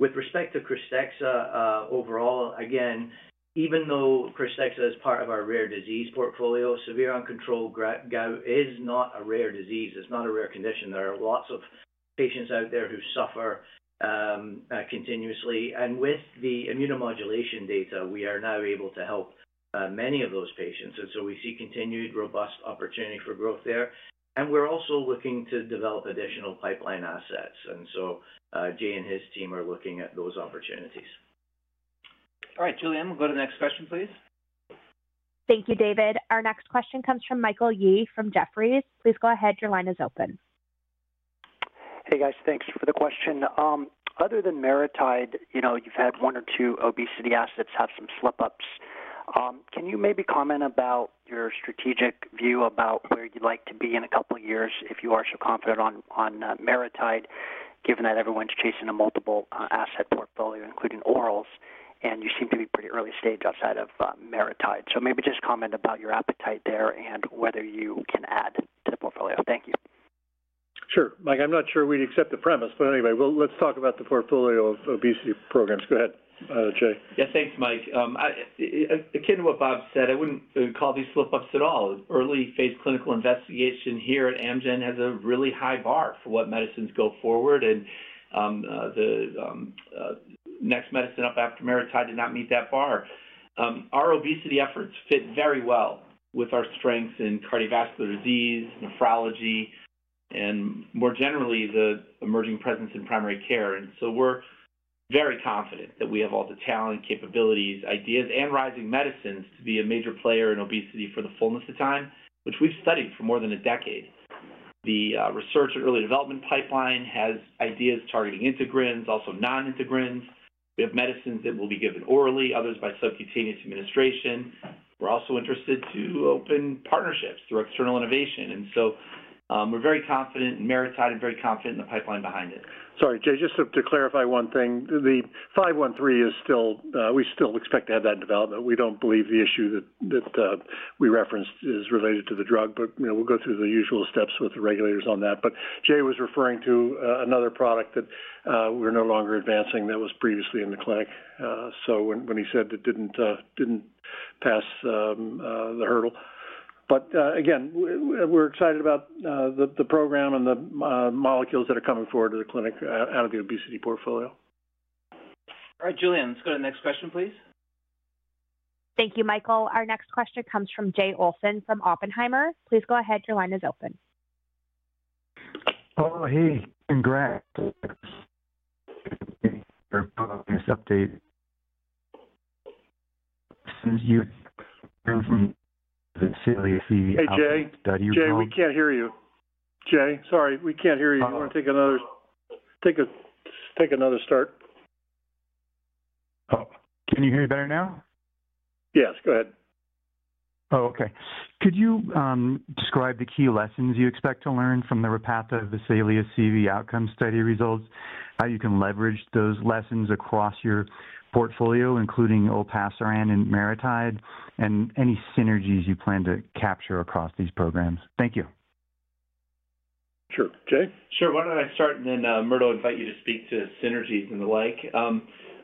With respect to Krystexxa, overall, again, even though Krystexxa is part of our rare disease portfolio, severe uncontrolled gout is not a rare disease. It's not a rare condition. There are lots of patients out there who suffer continuously. And with the immunomodulation data, we are now able to help many of those patients. And so we see continued robust opportunity for growth there. And we're also looking to develop additional pipeline assets. And so Jay and his team are looking at those opportunities. All right, Julianne, we'll go to the next question, please. Thank you, David. Our next question comes from Michael Yee from Jefferies. Please go ahead. Your line is open. Hey, guys, thanks for the question. Other than MariTide, you've had one or two obesity assets have some slip-ups. Can you maybe comment about your strategic view about where you'd like to be in a couple of years if you are so confident on MariTide, given that everyone's chasing a multiple asset portfolio, including orals, and you seem to be pretty early stage outside of MariTide? So maybe just comment about your appetite there and whether you can add to the portfolio. Thank you. Sure. Mike, I'm not sure we'd accept the premise, but anyway, let's talk about the portfolio of obesity programs. Go ahead, Jay. Yeah, thanks, Mike. Akin to what Bob said, I wouldn't call these slip-ups at all. Early-phase clinical investigation here at Amgen has a really high bar for what medicines go forward, and the next medicine up after MariTide did not meet that bar. Our obesity efforts fit very well with our strengths in cardiovascular disease, nephrology, and more generally, the emerging presence in primary care, and so we're very confident that we have all the talent, capabilities, ideas, and promising medicines to be a major player in obesity for the fullness of time, which we've studied for more than a decade. The research and early development pipeline has ideas targeting integrins, also non-integrins. We have medicines that will be given orally, others by subcutaneous administration. We're also interested to open partnerships through external innovation, and so we're very confident in MariTide and very confident in the pipeline behind it. Sorry, Jay, just to clarify one thing. The 513 is still. We still expect to have that in development. We don't believe the issue that we referenced is related to the drug, but we'll go through the usual steps with the regulators on that. But Jay was referring to another product that we're no longer advancing that was previously in the clinic. So when he said it didn't pass the hurdle. But again, we're excited about the program and the molecules that are coming forward to the clinic out of the obesity portfolio. All right, Julianne, let's go to the next question, please. Thank you, Michael. Our next question comes from Jay Olson from Oppenheimer. Please go ahead. Your line is open. Oh, hey, congrats. Since you've heard from Casey. Hey, Jay. Jay, we can't hear you. Jay, sorry, we can't hear you. We're going to take another start. Oh, can you hear me better now? Yes, go ahead. Oh, okay. Could you describe the key lessons you expect to learn from the Repatha VESALIUS CV outcome study results, how you can leverage those lessons across your portfolio, including Olpaciran and MariTide, and any synergies you plan to capture across these programs? Thank you. Sure. Jay? Sure. Why don't I start and then, Murdo, invite you to speak to synergies and the like.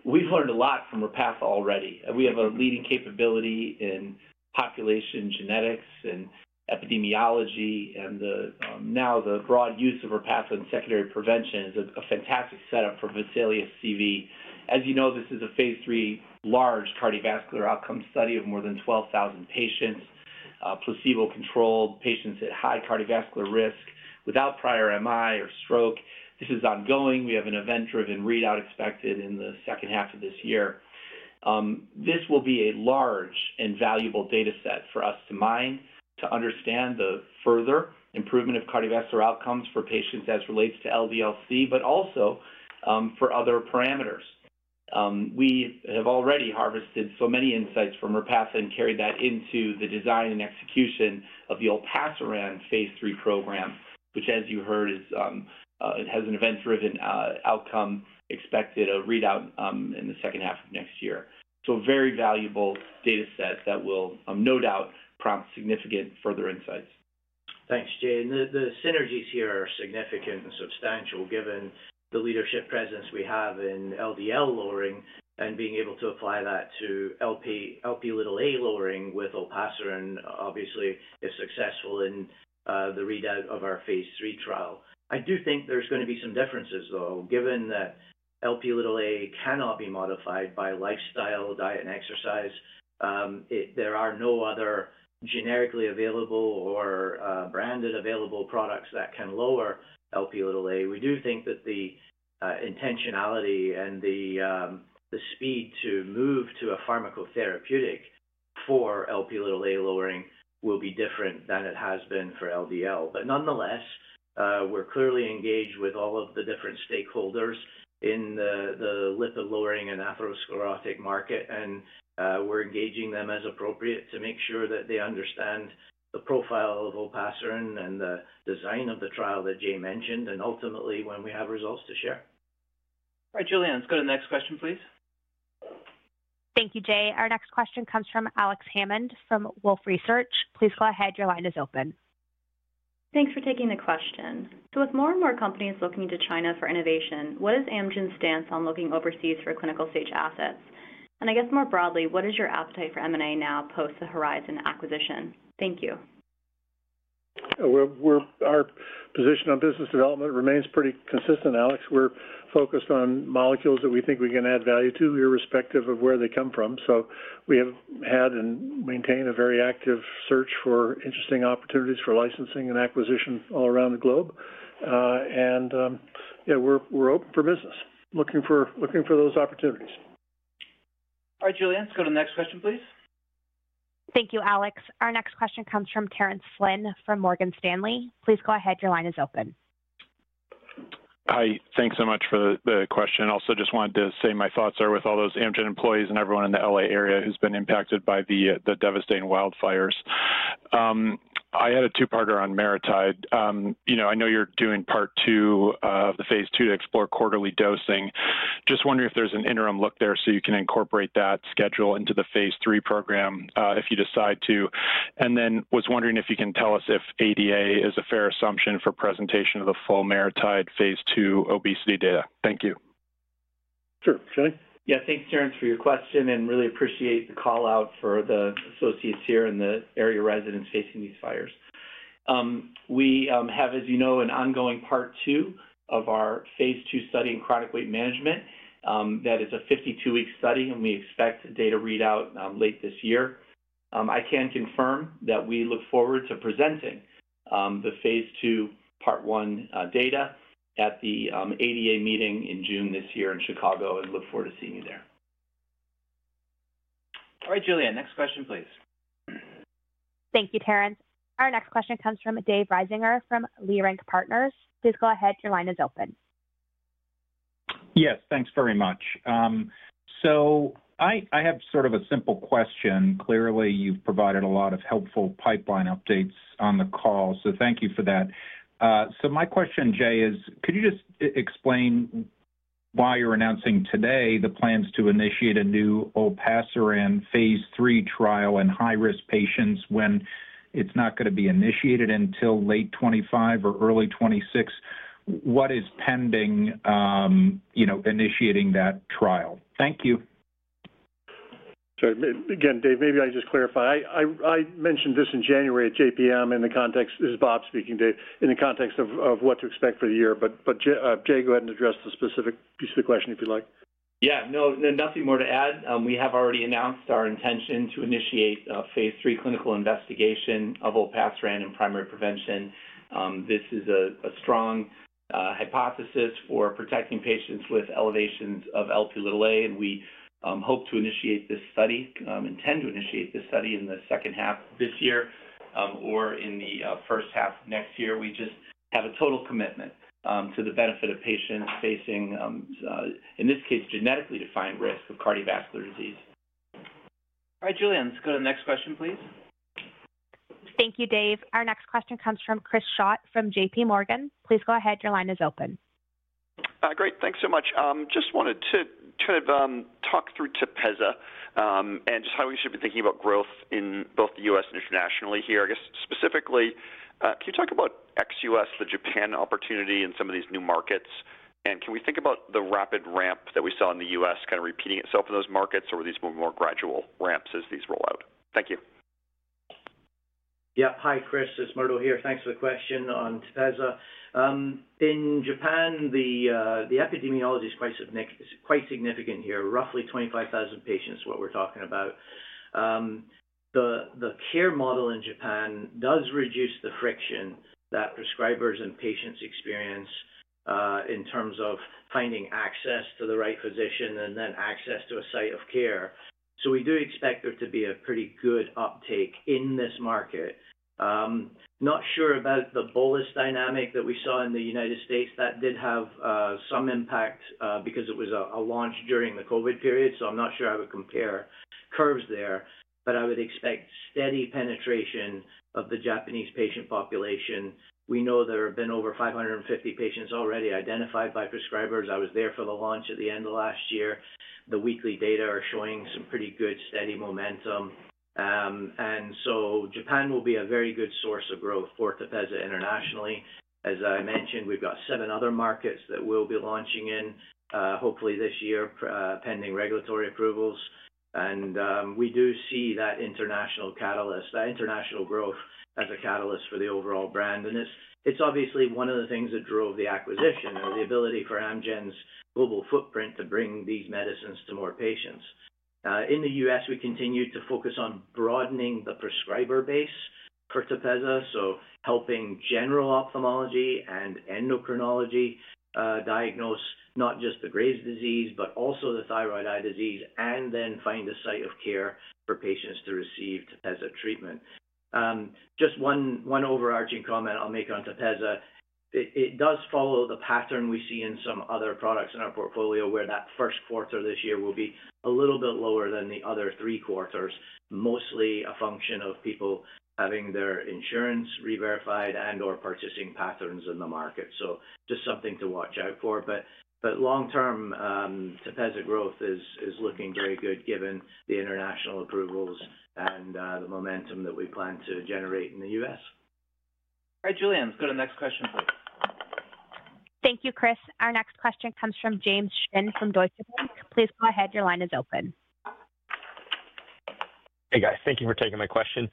We've learned a lot from Repatha already. We have a leading capability in population genetics and epidemiology. And now the broad use of Repatha in secondary prevention is a fantastic setup for VESALIUS CV. As you know, this is a phase III large cardiovascular outcome study of more than 12,000 patients, placebo-controlled patients at high cardiovascular risk without prior MI or stroke. This is ongoing. We have an event-driven readout expected in the second half of this year. This will be a large and valuable data set for us to mine to understand the further improvement of cardiovascular outcomes for patients as it relates to LDL-C, but also for other parameters. We have already harvested so many insights from Repatha and carried that into the design and execution of the Olpaciran phase III program, which, as you heard, has an event-driven outcome expected readout in the second half of next year, so a very valuable data set that will no doubt prompt significant further insights. Thanks, Jay, and the synergies here are significant and substantial given the leadership presence we have in LDL lowering and being able to apply that to Lp(a) lowering with Olpaciran obviously is successful in the readout of our phase III trial. I do think there's going to be some differences, though, given that Lp(a) cannot be modified by lifestyle, diet, and exercise. There are no other generically available or branded available products that can lower Lp(a). We do think that the intentionality and the speed to move to a pharmacotherapeutic for Lp(a) lowering will be different than it has been for LDL, but nonetheless, we're clearly engaged with all of the different stakeholders in the lipid lowering and atherosclerotic market, and we're engaging them as appropriate to make sure that they understand the profile of Olpaciran and the design of the trial that Jay mentioned, and ultimately when we have results to share. All right, Julianne, let's go to the next question, please. Thank you, Jay. Our next question comes from Alex Hammond from Wolfe Research. Please go ahead. Your line is open. Thanks for taking the question. So with more and more companies looking to China for innovation, what is Amgen's stance on looking overseas for clinical-stage assets? And I guess more broadly, what is your appetite for M&A now post the Horizon acquisition? Thank you. Our position on business development remains pretty consistent, Alex. We're focused on molecules that we think we can add value to irrespective of where they come from. So we have had and maintain a very active search for interesting opportunities for licensing and acquisition all around the globe. And yeah, we're open for business, looking for those opportunities. All right, Julianne, let's go to the next question, please. Thank you, Alex. Our next question comes from Terence Flynn from Morgan Stanley. Please go ahead. Your line is open. Hi, thanks so much for the question. Also just wanted to say my thoughts are with all those Amgen employees and everyone in the LA area who's been impacted by the devastating wildfires. I had a two-parter on MariTide. I know you're doing part two of the phase II to explore quarterly dosing. Just wondering if there's an interim look there so you can incorporate that schedule into the phase III program if you decide to. And then was wondering if you can tell us if ADA is a fair assumption for presentation of the full MariTide phase II obesity data. Thank you. Sure. Yeah, thanks, Terence, for your question and really appreciate the call-out for the associates here and the area residents facing these fires. We have, as you know, an ongoing part two of our phase II study in chronic weight management. That is a 52-week study, and we expect data readout late this year. I can confirm that we look forward to presenting the phase II part one data at the ADA meeting in June this year in Chicago and look forward to seeing you there. All right, Julianne, next question, please. Thank you, Terence. Our next question comes from David Risinger from Leerink Partners. Please go ahead. Your line is open. Yes, thanks very much. So I have sort of a simple question. Clearly, you've provided a lot of helpful pipeline updates on the call, so thank you for that. So my question, Jay, is could you just explain why you're announcing today the plans to initiate a new Olpaciran phase III trial in high-risk patients when it's not going to be initiated until late 2025 or early 2026? What is pending initiating that trial? Thank you. Sorry. Again, Dave, maybe I just clarify. I mentioned this in January at JPM in the context, this is Bob speaking, Dave, in the context of what to expect for the year. But Jay, go ahead and address the specific piece of the question if you'd like. Yeah, no, nothing more to add. We have already announced our intention to initiate phase III clinical investigation of Olpaciran in primary prevention. This is a strong hypothesis for protecting patients with elevations of Lp(a). We hope to initiate this study and intend to initiate this study in the second half of this year or in the first half of next year. We just have a total commitment to the benefit of patients facing, in this case, genetically defined risk of cardiovascular disease. All right, Julianne, let's go to the next question, please. Thank you, Dave. Our next question comes from Chris Schott from J.P. Morgan. Please go ahead. Your line is open. Great. Thanks so much. Just wanted to kind of talk through Tepezza and just how we should be thinking about growth in both the U.S. and internationally here. I guess specifically, can you talk about XUS, the Japan opportunity in some of these new markets? And can we think about the rapid ramp that we saw in the U.S. kind of repeating itself in those markets, or were these more gradual ramps as these roll out? Thank you. Yep. Hi, Chris. It's Murdo here. Thanks for the question on Tepezza. In Japan, the epidemiology is quite significant here. Roughly 25,000 patients is what we're talking about. The care model in Japan does reduce the friction that prescribers and patients experience in terms of finding access to the right physician and then access to a site of care. So we do expect there to be a pretty good uptake in this market. Not sure about the bolus dynamic that we saw in the United States. That did have some impact because it was a launch during the COVID period, so I'm not sure I would compare curves there, but I would expect steady penetration of the Japanese patient population. We know there have been over 550 patients already identified by prescribers. I was there for the launch at the end of last year. The weekly data are showing some pretty good steady momentum. And so Japan will be a very good source of growth for Tepezza internationally. As I mentioned, we've got seven other markets that we'll be launching in hopefully this year pending regulatory approvals. And we do see that international catalyst, that international growth as a catalyst for the overall brand. And it's obviously one of the things that drove the acquisition or the ability for Amgen's global footprint to bring these medicines to more patients. In the U.S., we continue to focus on broadening the prescriber base for Tepezza, so helping general ophthalmology and endocrinology diagnose not just the Graves' disease, but also the thyroid eye disease, and then find a site of care for patients to receive Tepezza treatment. Just one overarching comment I'll make on Tepezza. It does follow the pattern we see in some other products in our portfolio where that first quarter of this year will be a little bit lower than the other three quarters, mostly a function of people having their insurance re-verified and/or purchasing patterns in the market. So just something to watch out for. But long-term, Tepezza growth is looking very good given the international approvals and the momentum that we plan to generate in the U.S. All right, Julianne, let's go to the next question, please. Thank you, Chris. Our next question comes from James Shin from Deutsche Bank. Please go ahead. Your line is open. Hey, guys. Thank you for taking my question.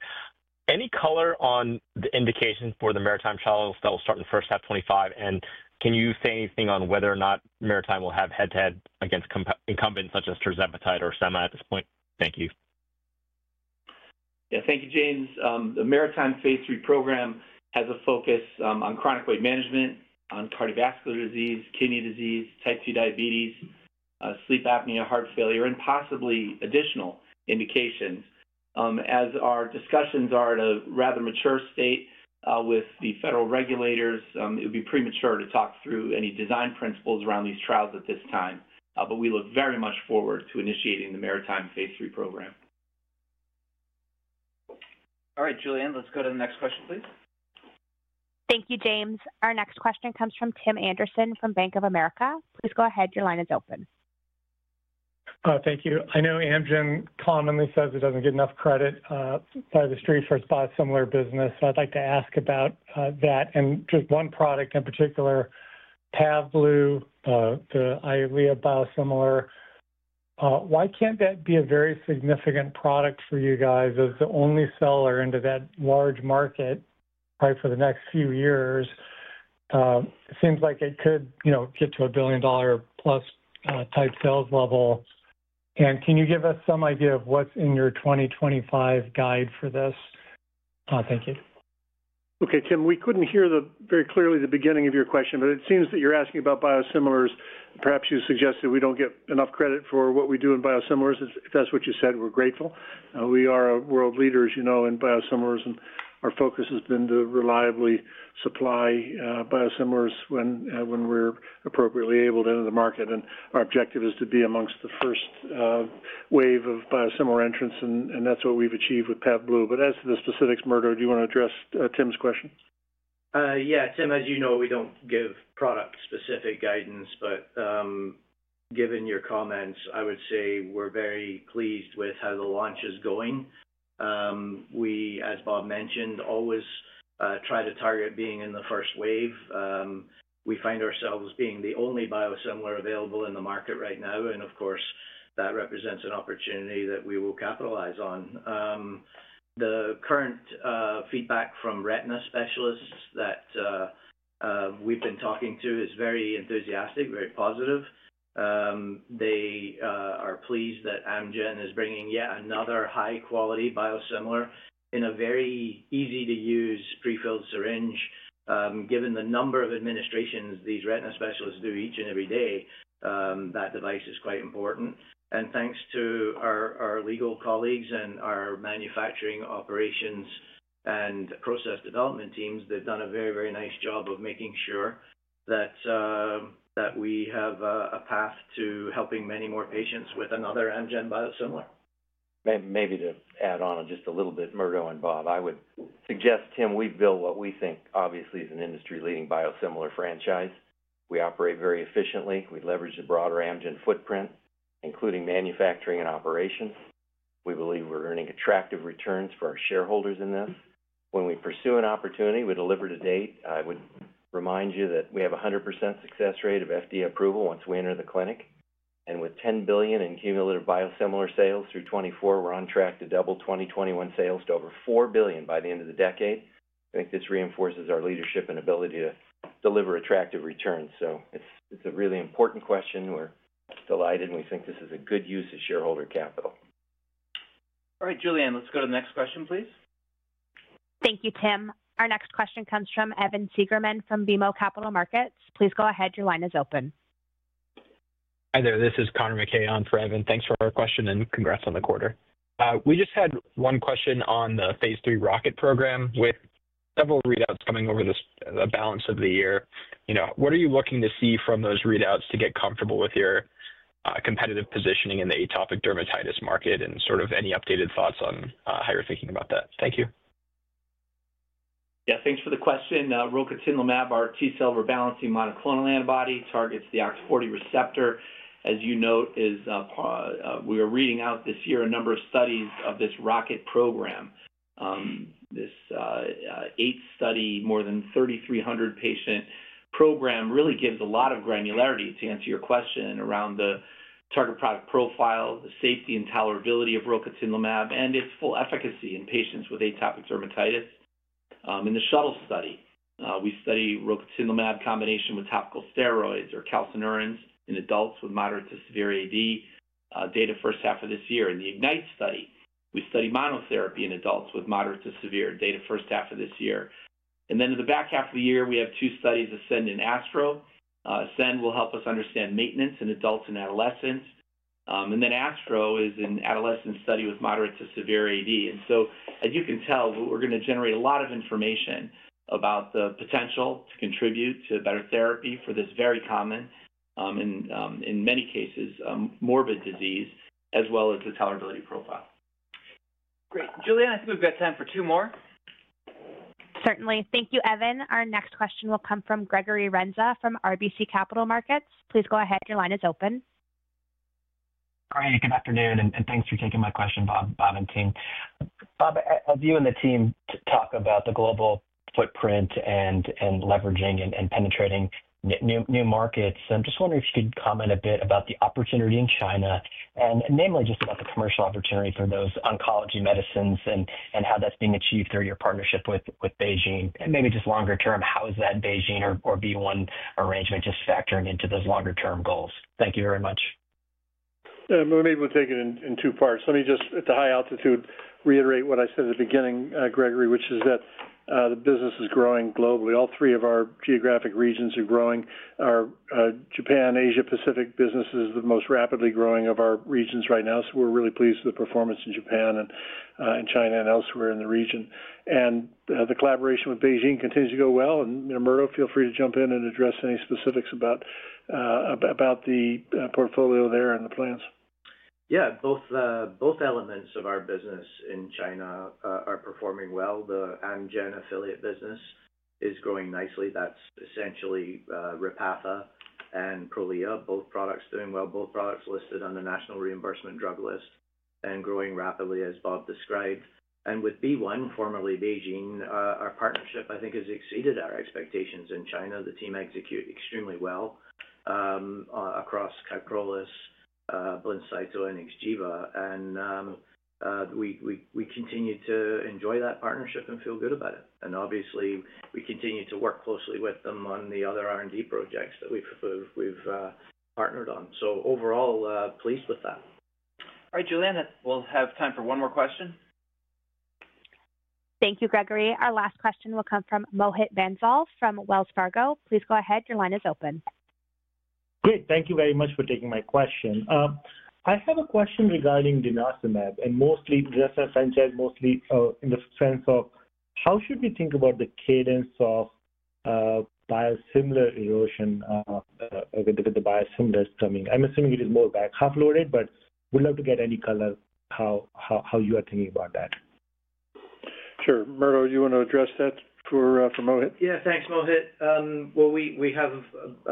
Any color on the indication for the MariTide trials that will start in first half 2025? And can you say anything on whether or not MariTide will have head-to-head against incumbents such as tirzepatide or Sema at this point? Thank you. Yeah, thank you, James. The MariTide phase III program has a focus on chronic weight management, on cardiovascular disease, kidney disease, type 2 diabetes, sleep apnea, heart failure, and possibly additional indications. As our discussions are at a rather mature state with the federal regulators, it would be premature to talk through any design principles around these trials at this time. But we look very much forward to initiating the MariTide phase III program. All right, Julianne, let's go to the next question, please. Thank you, James. Our next question comes from Tim Anderson from Bank of America. Please go ahead. Your line is open. Thank you. I know Amgen commonly says it doesn't get enough credit by the street for its biosimilar business. I'd like to ask about that and just one product in particular, Pavblu, the Eylea biosimilar. Why can't that be a very significant product for you guys as the only seller into that large market for the next few years? Seems like it could get to a $1 billion-plus type sales level. And can you give us some idea of what's in your 2025 guide for this? Thank you. Okay, Tim, we couldn't hear very clearly the beginning of your question, but it seems that you're asking about biosimilars. Perhaps you suggested we don't get enough credit for what we do in biosimilars. If that's what you said, we're grateful. We are a world leader, as you know, in biosimilars, and our focus has been to reliably supply biosimilars when we're appropriately able to enter the market, and our objective is to be amongst the first wave of biosimilar entrants, and that's what we've achieved with Pavblu, but as to the specifics, Murdo, do you want to address Tim's question? Yeah. Tim, as you know, we don't give product-specific guidance, but given your comments, I would say we're very pleased with how the launch is going. We, as Bob mentioned, always try to target being in the first wave. We find ourselves being the only biosimilar available in the market right now, and of course, that represents an opportunity that we will capitalize on. The current feedback from retina specialists that we've been talking to is very enthusiastic, very positive. They are pleased that Amgen is bringing yet another high-quality biosimilar in a very easy-to-use prefilled syringe. Given the number of administrations these retina specialists do each and every day, that device is quite important. Thanks to our legal colleagues and our manufacturing operations and process development teams, they've done a very, very nice job of making sure that we have a path to helping many more patients with another Amgen biosimilar. Maybe to add on just a little bit, Murdo and Bob, I would suggest, Tim, we build what we think obviously is an industry-leading biosimilar franchise. We operate very efficiently. We leverage the broader Amgen footprint, including manufacturing and operations. We believe we're earning attractive returns for our shareholders in this. When we pursue an opportunity we delivered to date, I would remind you that we have a 100% success rate of FDA approval once we enter the clinic, and with $10 billion in cumulative biosimilar sales through 2024, we're on track to double 2021 sales to over $4 billion by the end of the decade. I think this reinforces our leadership and ability to deliver attractive returns, so it's a really important question. We're delighted, and we think this is a good use of shareholder capital. All right, Julianne, let's go to the next question, please. Thank you, Tim. Our next question comes from Evan Seigerman from BMO Capital Markets. Please go ahead. Your line is open. Hi there. This is Connor McKay on for Evan. Thanks for our question and congrats on the quarter. We just had one question on the phase III ROCKET program with several readouts coming over the balance of the year. What are you looking to see from those readouts to get comfortable with your competitive positioning in the atopic dermatitis market and sort of any updated thoughts on how you're thinking about that? Thank you. Yeah, thanks for the question. Rocatinlimab, our T-cell rebalancing monoclonal antibody, targets the OX40 receptor. As you note, we are reading out this year a number of studies of this Rocatinlimab program. This eight-study, more than 3,300-patient program really gives a lot of granularity to answer your question around the target product profile, the safety and tolerability of Rocatinlimab, and its full efficacy in patients with atopic dermatitis. In the Shuttle study, we study Rocatinlimab combination with topical steroids or calcineurins in adults with moderate to severe AD, data first half of this year. In the Ignite study, we study monotherapy in adults with moderate to severe, data first half of this year. And then in the back half of the year, we have two studies: Ascend and Astro. Ascend will help us understand maintenance in adults and adolescents. And then Astro is an adolescent study with moderate to severe AD. And so, as you can tell, we're going to generate a lot of information about the potential to contribute to better therapy for this very common, in many cases, morbid disease, as well as the tolerability profile. Great. Julianne, I think we've got time for two more. Certainly. Thank you, Evan. Our next question will come from Gregory Renza from RBC Capital Markets. Please go ahead. Your line is open. Hi, good afternoon, and thanks for taking my question, Bob, Bob and team. Bob, as you and the team talk about the global footprint and leveraging and penetrating new markets, I'm just wondering if you could comment a bit about the opportunity in China and namely just about the commercial opportunity for those oncology medicines and how that's being achieved through your partnership with BeiGene. And maybe just longer term, how is that BeiGene or BeOne arrangement just factoring into those longer-term goals? Thank you very much. Maybe we'll take it in two parts. Let me just, at the high altitude, reiterate what I said at the beginning, Gregory, which is that the business is growing globally. All three of our geographic regions are growing. Our Japan, Asia-Pacific business is the most rapidly growing of our regions right now, so we're really pleased with the performance in Japan and China and elsewhere in the region. And the collaboration with BeiGene continues to go well. And Murdo, feel free to jump in and address any specifics about the portfolio there and the plans. Yeah, both elements of our business in China are performing well. The Amgen affiliate business is growing nicely. That's essentially Repatha and Prolia, both products doing well, both products listed on the national reimbursement drug list and growing rapidly, as Bob described. And with BeOne, formerly BeiGene, our partnership, I think, has exceeded our expectations in China. The team executes extremely well across Kyprolis, Blincyto, and Xgeva. And we continue to enjoy that partnership and feel good about it. And obviously, we continue to work closely with them on the other R&D projects that we've partnered on. So overall, pleased with that. All right, Julianne, we'll have time for one more question. Thank you, Gregory. Our last question will come from Mohit Bansal from Wells Fargo. Please go ahead. Your line is open. Great. Thank you very much for taking my question. I have a question regarding Denosumab and mostly Prolia franchise, mostly in the sense of how should we think about the cadence of biosimilar erosion with the biosimilars coming? I'm assuming it is more back half loaded, but would love to get any color how you are thinking about that. Sure. Murdo, you want to address that for Mohit? Yeah, thanks, Mohit. We have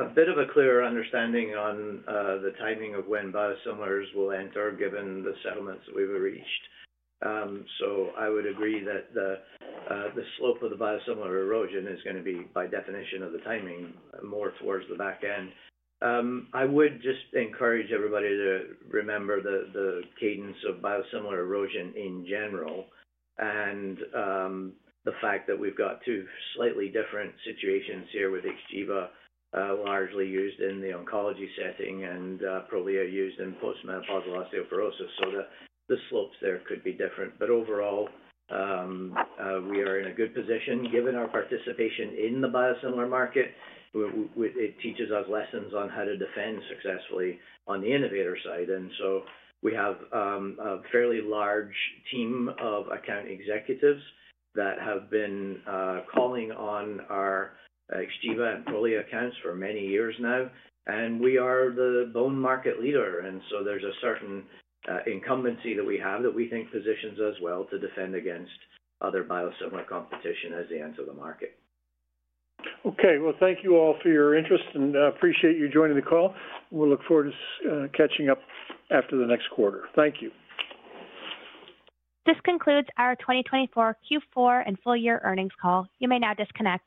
a bit of a clearer understanding on the timing of when biosimilars will enter given the settlements that we've reached, so I would agree that the slope of the biosimilar erosion is going to be, by definition of the timing, more towards the back end. I would just encourage everybody to remember the cadence of biosimilar erosion in general and the fact that we've got two slightly different situations here with Xgeva largely used in the oncology setting and Prolia used in postmenopausal osteoporosis, so the slopes there could be different, but overall, we are in a good position. Given our participation in the biosimilar market, it teaches us lessons on how to defend successfully on the innovator side, and so we have a fairly large team of account executives that have been calling on our Xgeva and Prolia accounts for many years now. We are the bone market leader. And so there's a certain incumbency that we have that we think positions us well to defend against other biosimilar competition as they enter the market. Okay. Thank you all for your interest and appreciate you joining the call. We'll look forward to catching up after the next quarter. Thank you. This concludes our 2024 Q4 and full-year earnings call. You may now disconnect.